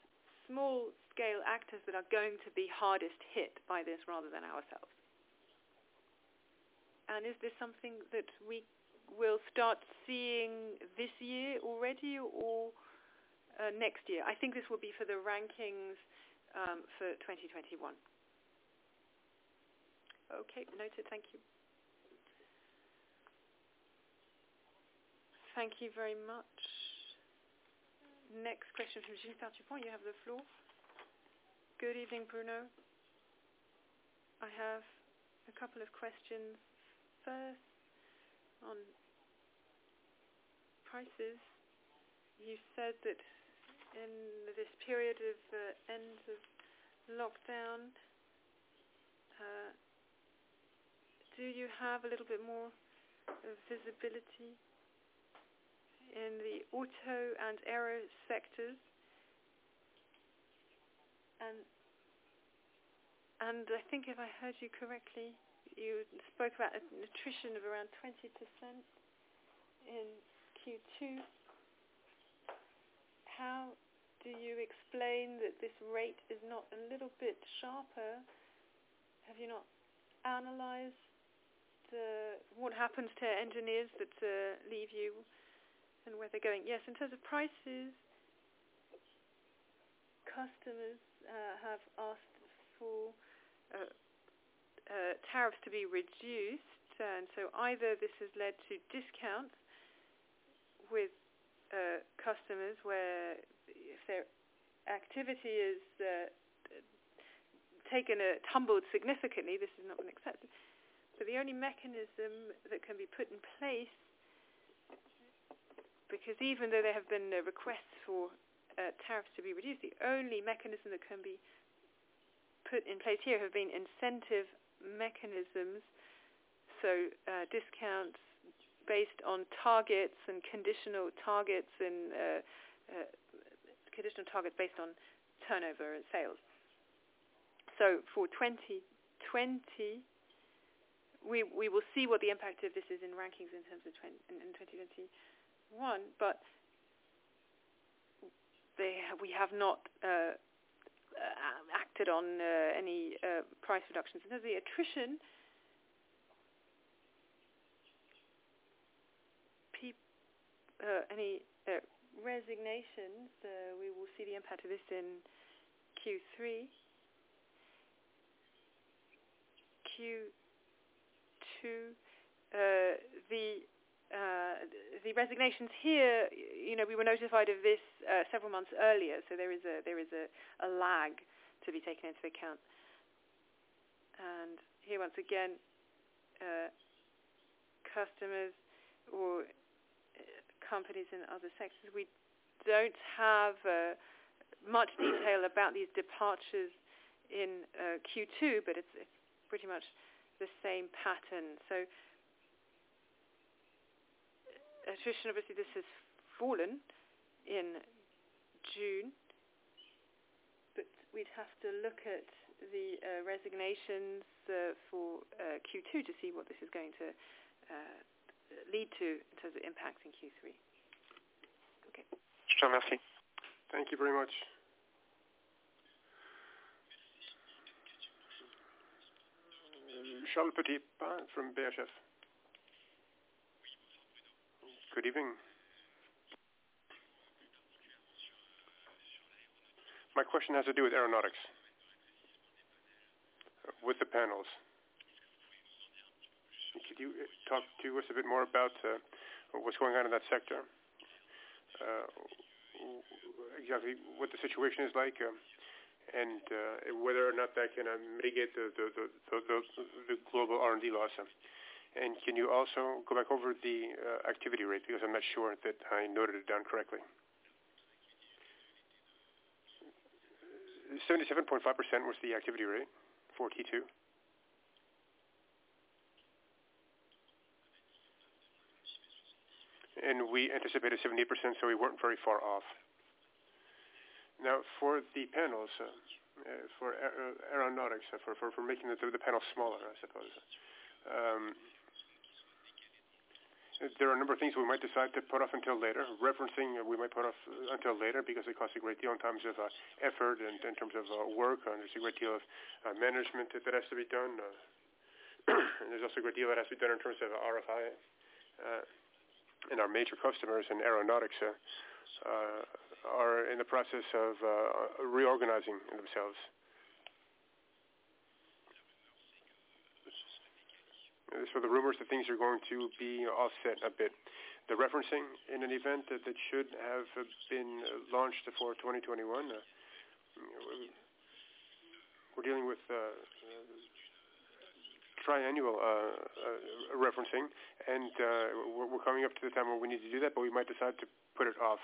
small-scale actors that are going to be hardest hit by this rather than us. Is this something that we will start seeing this year already or next year? I think this will be for the rankings for 2021. Okay, noted. Thank you. Thank you very much. Next question from Gilles Dupont. You have the floor. Good evening, Bruno. I have a couple of questions. First, on prices. You said that in this period of the end of lockdown, do you have a little bit more visibility in the auto and aero sectors? I think if I heard you correctly, you spoke about an attrition of around 20% in Q2. How do you explain that this rate is not a little bit sharper? Have you not analyzed what happens to engineers that leave you and where they're going? Yes. In terms of prices, customers have asked for tariffs to be reduced. Either this has led to discounts with customers or if their activity has taken a tumble significantly, this is not unexpected. The only mechanism that can be put in place, because even though there have been requests for tariffs to be reduced, is incentive mechanisms. Discounts based on targets and conditional targets based on turnover and sales. For 2020, we will see what the impact of this is in rankings in terms of 2021, but we have not acted on any price reductions. With the attrition and any resignations, we will see the impact of this in Q3. Q2, the resignations here, we were notified of this several months earlier, so there is a lag to be taken into account. Here, once again, are customers or companies in other sectors, we don't have much detail about these departures in Q2, but it's pretty much the same pattern. Attrition, obviously, has fallen in June, but we'd have to look at the resignations for Q2 to see what this is going to lead to in terms of impact in Q3. Okay. Thank you very much. Charles Petit from BASF. Good evening. My question has to do with aeronautics, with the panels. Could you talk to us a bit more about what's going on in that sector? Exactly what the situation is like, whether or not that can mitigate the global R&D loss. Can you also go back over the activity rate? Because I'm not sure that I noted it down correctly. 77.5% was the activity rate for Q2. We anticipated 70%, so we weren't very far off. Now, for the panels, for aeronautics, for making the panels smaller, I suppose. There are a number of things we might decide to put off until later. Referencing, we might put off until later because it costs a great deal in terms of effort and in terms of work, and there's a great deal of management that has to be done. There's also a great deal that has to be done in terms of RFI. Our major customers in aeronautics are in the process of reorganizing themselves. The rumors of things are going to be offset a bit. The referencing, in an event that should have been launched for 2021, we're dealing with triannual referencing, and we're coming up to the time when we need to do that, but we might decide to put it off.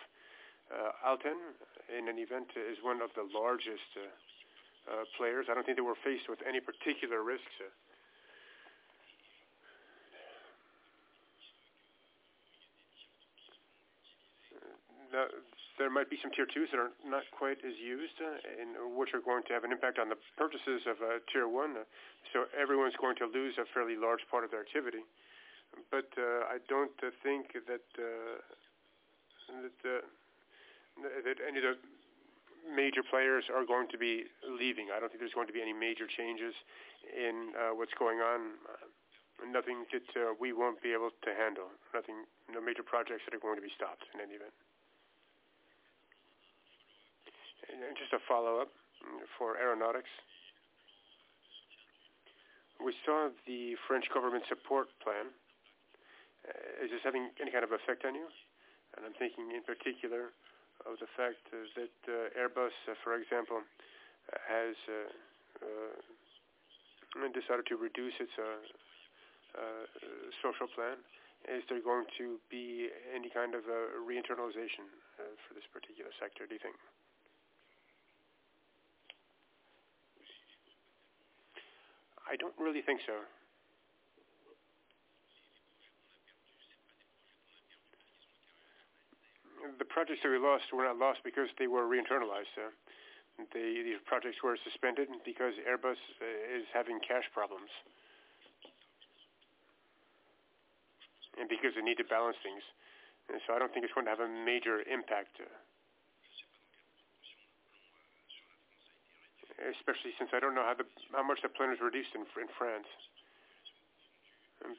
Alten, in an event, is one of the largest players. I don't think they were faced with any particular risks. There might be some tier twos that are not quite as used and that are going to have an impact on the purchases of tier one. Everyone's going to lose a fairly large part of their activity. I don't think that any of the major players are going to be leaving. I don't think there's going to be any major changes in what's going on. Nothing that we won't be able to handle. No major projects are going to be stopped in any event. Just a follow-up for aeronautics. We saw the French government support plan. Is this having any kind of effect on you? I'm thinking in particular of the fact that Airbus, for example, has decided to reduce its social plan. Is there going to be any kind of re-internalization for this particular sector, do you think? I don't really think so. The projects that we lost were not lost because they were re-internalized. The projects were suspended because Airbus is having cash problems. Because they need to balance things. I don't think it's going to have a major impact. Especially since I don't know how much the plan is reduced in France. I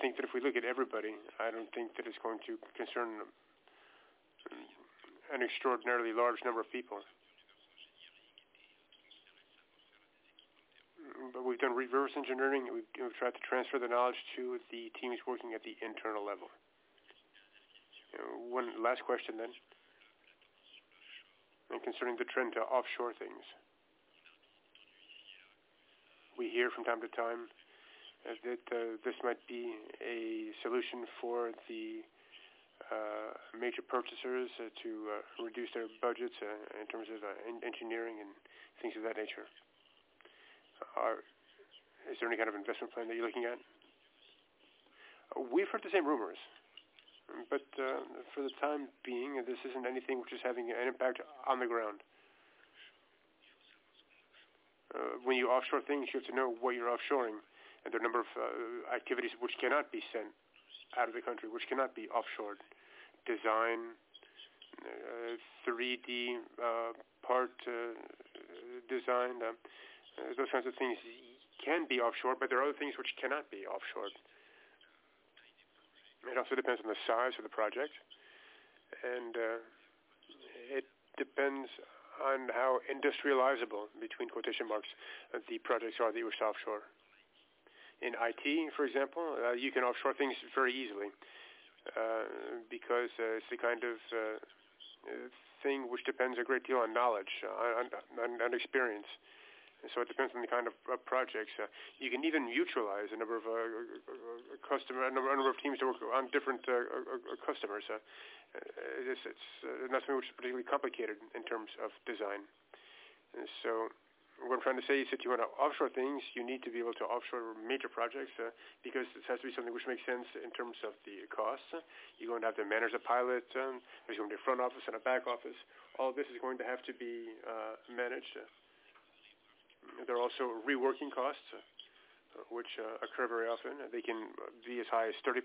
think that if we look at everybody, I don't think that it's going to concern an extraordinarily large number of people. We've done reverse engineering, and we've tried to transfer the knowledge to the teams working at the internal level. One last question then. Concerning the trend to offshore things. We hear from time to time that this might be a solution for the major purchasers to reduce their budgets in terms of engineering and things of that nature. Is there any kind of investment plan that you're looking at? We've heard the same rumors. For the time being, this isn't anything that is having an impact on the ground. When you offshore things, you have to know what you're offshoring, and there are a number of activities that cannot be sent out of the country, which cannot be offshored. Design, 3D part design, and those kinds of things can be offshored, but there are other things that cannot be offshored. It also depends on the size of the project, and it depends on how industrializable, between quotation marks, the projects are that we offshore. In IT, for example, you can offshore things very easily because it's the kind of thing that depends a great deal on knowledge and experience. It depends on the kind of projects. You can even utilize a number of teams to work on different customers. It's nothing that is particularly complicated in terms of design. What I'm trying to say is if you want to offshore things, you need to be able to offshore major projects because this has to be something that makes sense in terms of the cost. You're going to have to manage the pilot. There's going to be a front office and a back office. All this is going to have to be managed. There are also reworking costs, which occur very often. They can be as high as 30%.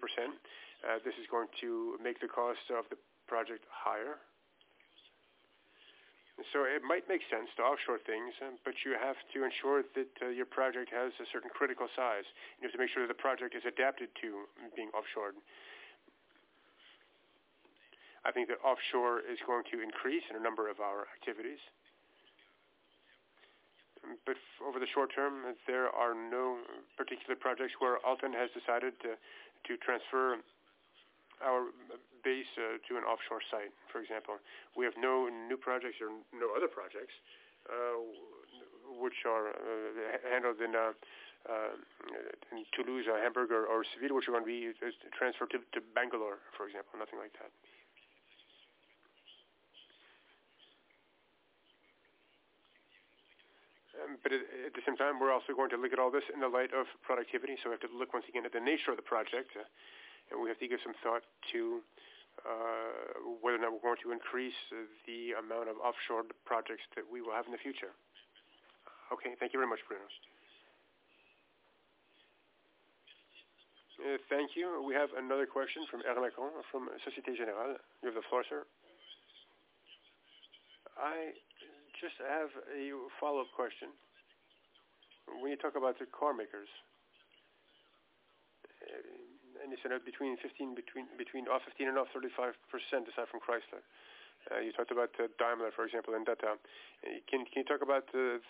This is going to make the cost of the project higher. It might make sense to offshore things, but you have to ensure that your project has a certain critical size. You have to make sure that the project is adapted to being offshored. I think the offshore is going to increase in number in a number of our activities. Over the short term, there are no particular projects where Alten has decided to transfer our base to an offshore site. For example, we have no new projects or no other projects that are handled in Toulouse or Hamburg or Seville that are going to be transferred to Bangalore, for example, nothing like that. At the same time, we're also going to look at all this in the light of productivity. We have to look once again at the nature of the project, and we have to give some thought to whether or not we're going to increase the amount of offshore projects that we will have in the future. Okay. Thank you very much, Bruno. Thank you. We have another question from Eric from Societe Generale. You have the floor, sir. I just have a follow-up question. When you talk about the car makers, you said between 15% off and 35% off, aside from Chrysler. You talked about Daimler, for example, and Tata. Can you talk about the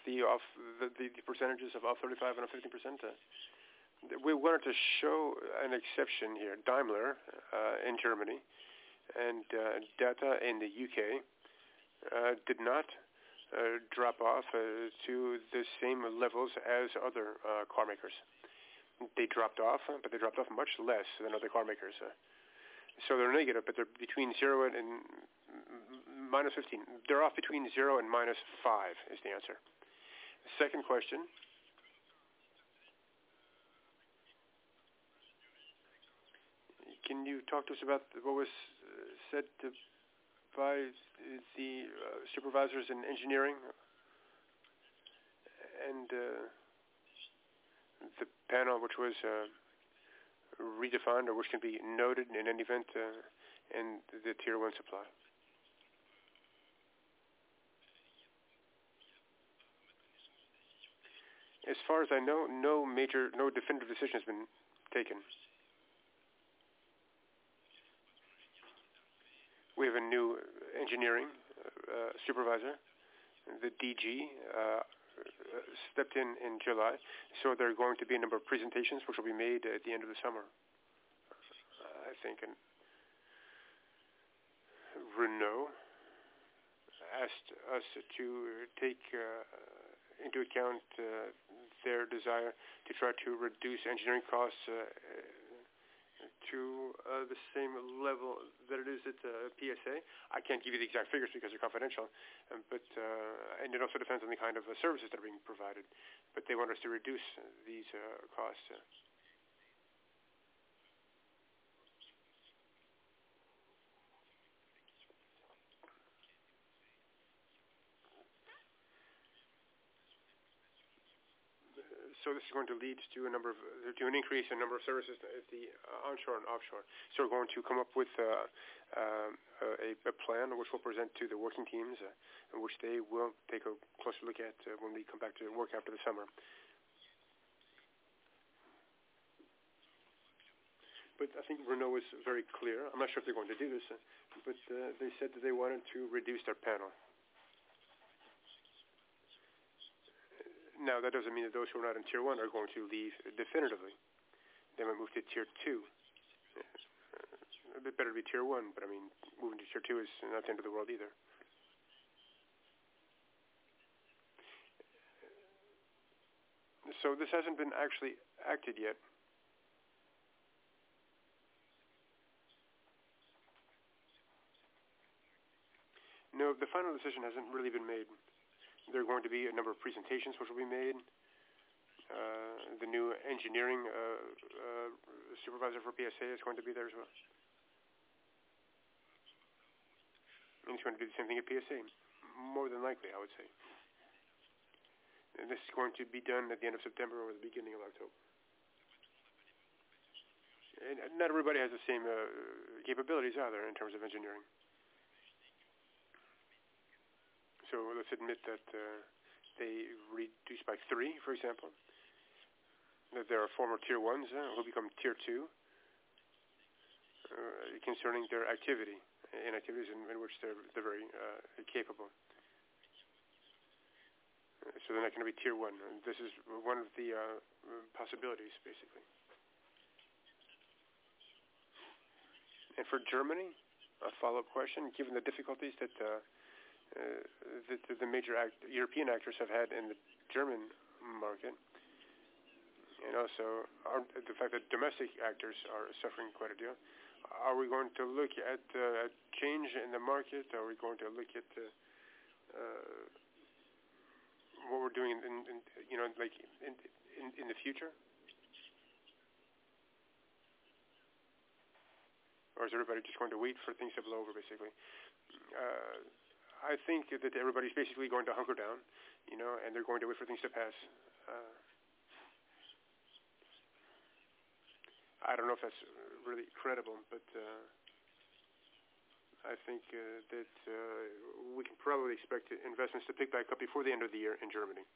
percentages of 35% off and 15% off? We wanted to show an exception here. Daimler in Germany and Tata in the U.K. did not drop off to the same levels as other carmakers. They dropped off, but they dropped off much less than other carmakers. They're negative, but they're between 0% and -5%, is the answer. Second question. Can you talk to us about what was said by the supervisors in engineering and the panel, which was redefined or which can be noted in any event in the Tier one supplier? As far as I know, no definitive decision has been taken. We have a new engineering supervisor. The DG stepped in in July. There are going to be a number of presentations, which will be made at the end of the summer, I think. Renault asked us to take into account their desire to try to reduce engineering costs to the same level that it is at PSA. I can't give you the exact figures because they're confidential, and it also depends on the kind of services that are being provided. They want us to reduce these costs. This is going to lead to an increase in the number of services, both onshore and offshore. We're going to come up with a plan, which we'll present to the working teams, and which they will take a closer look at when we come back to work after the summer. I think Renault is very clear. I'm not sure if they're going to do this, but they said that they wanted to reduce their panel. Now that doesn't mean that those who are not in tier one are going to leave definitively. They might move to tier two. It better be tier one, but moving to tier two is not the end of the world either. This hasn't been acted upon yet? No, the final decision hasn't really been made. There are going to be a number of presentations, which will be made. The new engineering supervisor for PSA is going to be there as well. It's going to be the same thing at PSA, more than likely, I would say. This is going to be done at the end of September or the beginning of October. Not everybody has the same capabilities either, in terms of engineering. Let's admit that they reduce by three, for example. That there are former tier ones who become tier two, concerning their activity and activities in which they're very capable. They're not going to be tier one. This is one of the possibilities, basically. For Germany, a follow-up question, given the difficulties that the major European actors have had in the German market and also the fact that domestic actors are suffering quite a deal, are we going to look at a change in the market? Are we going to look at what we're doing in the future? Is everybody just going to wait for things to blow over, basically? I think that everybody's basically going to hunker down, and they're going to wait for things to pass. I don't know if that's really credible, but I think that we can probably expect investments to pick back up before the end of the year in Germany.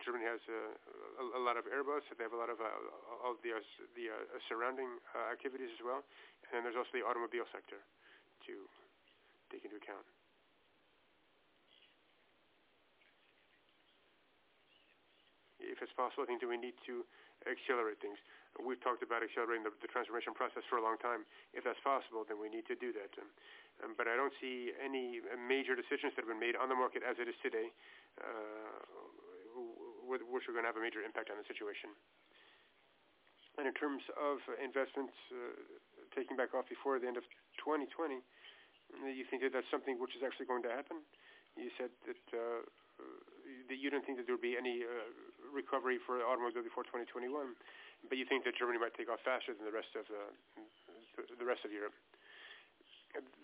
Germany has a lot of Airbuses. They have a lot of the surrounding activities as well, and there's also the automobile sector to take into account. If it's possible, I think that we need to accelerate things. We've talked about accelerating the transformation process for a long time. If that's possible, then we need to do that. But I don't see any major decisions that have been made on the market as it is today, which are going to have a major impact on the situation. And in terms of investments taking back off before the end of 2020, do you think that that's something that is actually going to happen? You said that you don't think that there'll be any recovery for automotive before 2021, but you think that Germany might take off faster than the rest of Europe.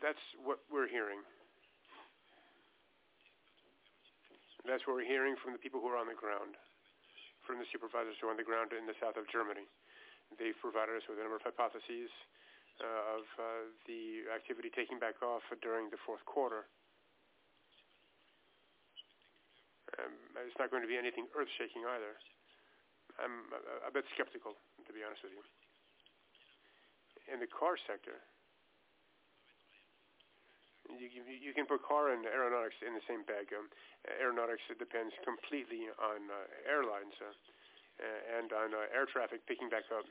That's what we're hearing. That's what we're hearing from the people who are on the ground, from the supervisors who are on the ground in the south of Germany. They've provided us with a number of hypotheses about the activity taking back off during the fourth quarter. It's not going to be anything earth-shaking either. I'm a bit skeptical, to be honest with you. In the car sector, you can put cars and aeronautics in the same bag. Aeronautics depends completely on airlines and on air traffic picking back up.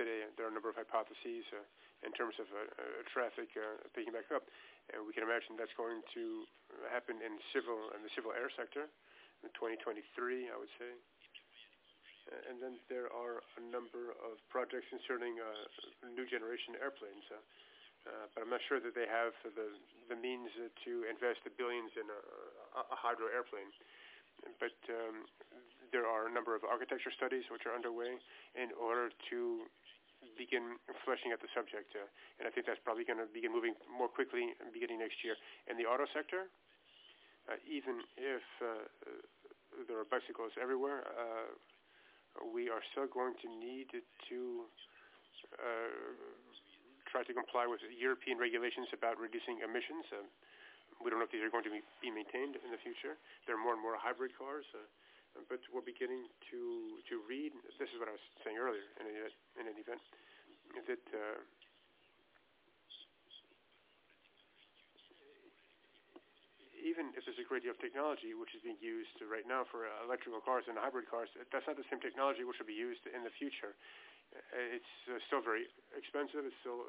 Today, there are a number of hypotheses in terms of traffic picking back up. We can imagine that's going to happen in the civil air sector in 2023, I would say. There are a number of projects concerning new-generation airplanes. I'm not sure that they have the means to invest the billions in a hydrogen plane. There are a number of architecture studies that are underway in order to begin fleshing out the subject. I think that's probably going to begin moving more quickly beginning next year. In the auto sector, even if there are bicycles everywhere, we are still going to need to try to comply with European regulations about reducing emissions. We don't know if these are going to be maintained in the future. There are more and more hybrid cars. We're beginning to read, this is what I was saying earlier, in any event, even if there's a great deal of technology that is being used right now for electric cars and hybrid cars, that's not the same technology that will be used in the future. It's still very expensive. It's still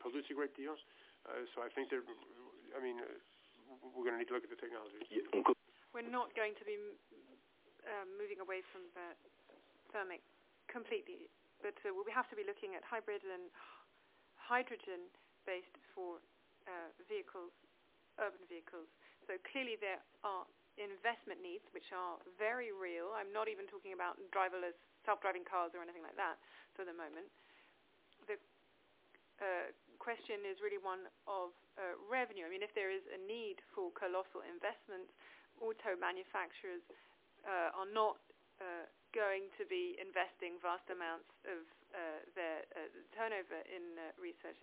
polluting a great deal. I think we're going to need to look at the technology. We're not going to be moving away from the thermic completely. We have to be looking at hybrid and hydrogen-based for urban vehicles. Clearly, there are investment needs that are very real. I'm not even talking about driverless self-driving cars or anything like that for the moment. The question is really one of revenue. If there is a need for colossal investments, auto manufacturers are not going to be investing vast amounts of their turnover in R&D, 6%-7%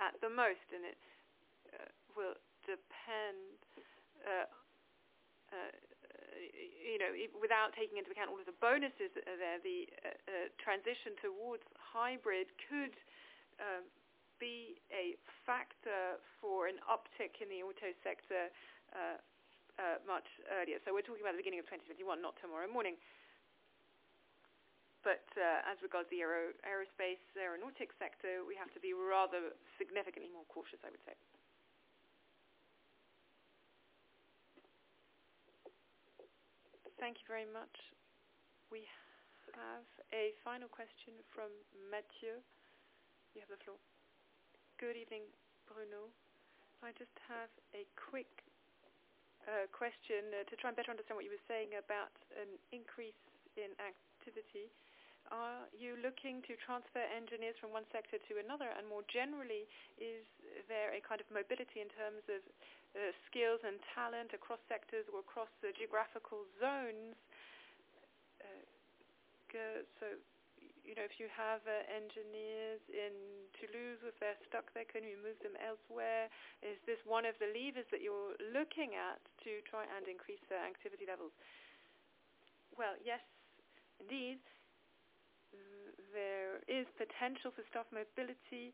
at the most. Without taking into account all of the bonuses there, the transition towards hybrid could be a factor for an uptick in the auto sector much earlier. We're talking about the beginning of 2021, not tomorrow morning. As regards the aerospace and aeronautics sectors, we have to be rather significantly more cautious, I would say. Thank you very much. We have a final question from Matthew. You have the floor. Good evening, Bruno. I just have a quick question to try and better understand what you were saying about an increase in activity. Are you looking to transfer engineers from one sector to another? More generally, is there a kind of mobility in terms of skills and talent across sectors or across the geographical zones? If you have engineers in Toulouse, if they're stuck there, can you move them elsewhere? Is this one of the levers that you're looking at to try and increase the activity levels? Well, yes, indeed. There is potential for staff mobility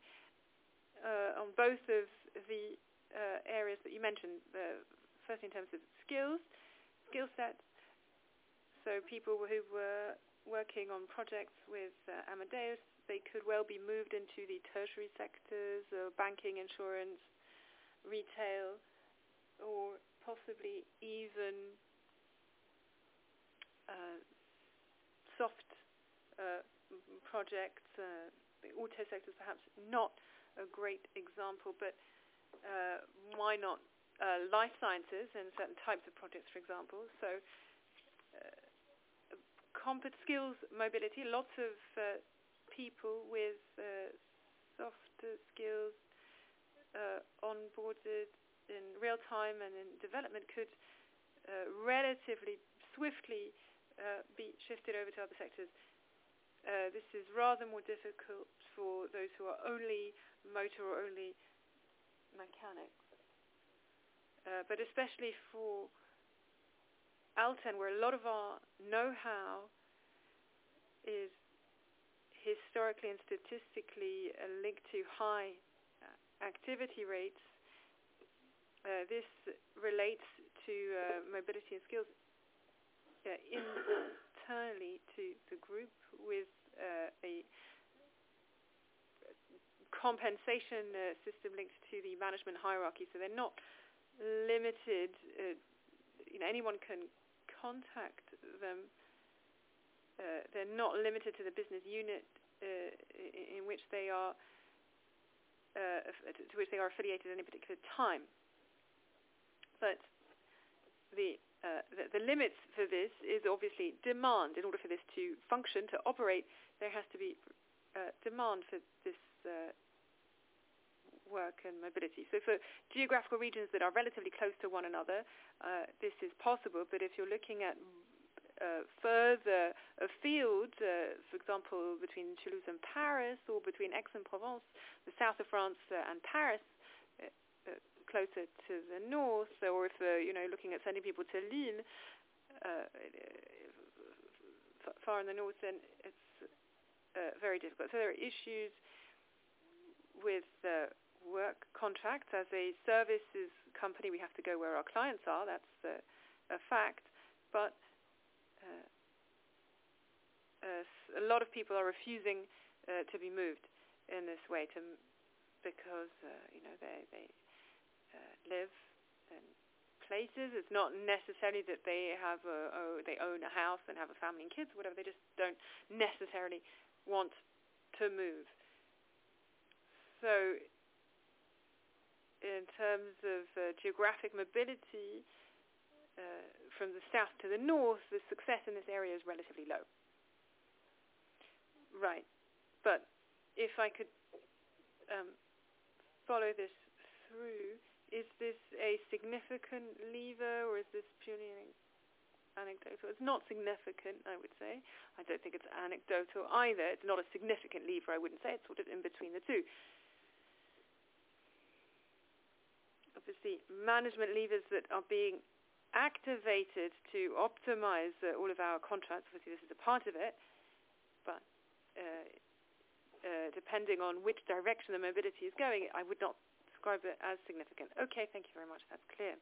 in both of the areas that you mentioned. Firstly, in terms of skill sets, so people who were working on projects with Amadeus could well be moved into the tertiary sectors of banking, insurance, retail, or possibly even soft projects. The auto sector is perhaps not a great example, why not life sciences and certain types of projects, for example? Competent skills mobility: lots of people with softer skills onboarded in real-time and in development could relatively swiftly be shifted over to other sectors. This is rather more difficult for those who are only motors or only mechanics. Especially for Alten, where a lot of our know-how is historically and statistically linked to high activity rates. This relates to mobility and skills internally to a group with a compensation system linked to the management hierarchy. They're not limited. Anyone can contact them. They're not limited to the business unit to which they are affiliated at any particular time. The limit for this is obviously demand. In order for this to function, to operate, there has to be demand for this work and mobility. For geographical regions that are relatively close to one another, this is possible. If you're looking further afield, for example, between Toulouse and Paris or between Aix-en-Provence, the south of France, and Paris, closer to the north. If looking at sending people to Lille, far in the north, then it's very difficult. There are issues with work contracts. As a services company, we have to go where our clients are. That's a fact. A lot of people are refusing to be moved in this way because they live in places. It's not necessarily that they own a house and have a family and kids, whatever, they just don't necessarily want to move. In terms of geographic mobility from the south to the north, the success in this area is relatively low. Right. If I could follow this through, would this be a significant lever, or would this be purely anecdotal? It's not significant, I would say. I don't think it's anecdotal either. It's not a significant lever, I wouldn't say. It's sort of in between the two. Obviously, management levers are being activated to optimize all of our contracts, obviously, this is a part of it. Depending on which direction the mobility is going, I would not describe it as significant. Okay. Thank you very much. That's clear.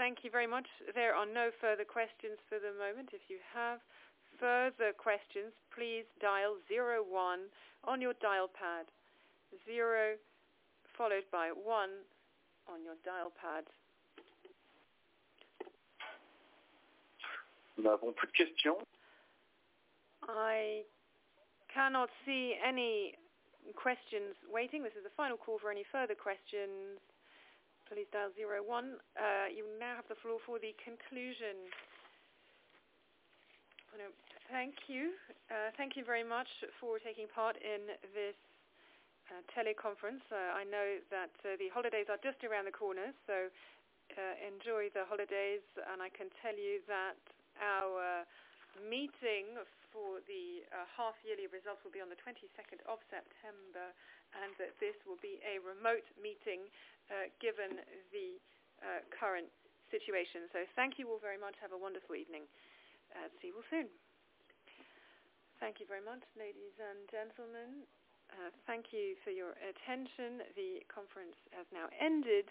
Thank you very much. There are no further questions for the moment. If you have further questions, please dial zero one on your dial pad. Zero followed by one on your dial pad. I cannot see any questions waiting. This is the final call for any further questions, please dial zero one. You now have the floor for the conclusion. Thank you. Thank you very much for taking part in this teleconference. I know that the holidays are just around the corner, so enjoy the holidays. I can tell you that our meeting for the half-yearly results will be on the 22nd of September, and that this will be a remote meeting, given the current situation. Thank you all very much. Have a wonderful evening. See you all soon. Thank you very much, ladies and gentlemen. Thank you for your attention. The conference has now ended.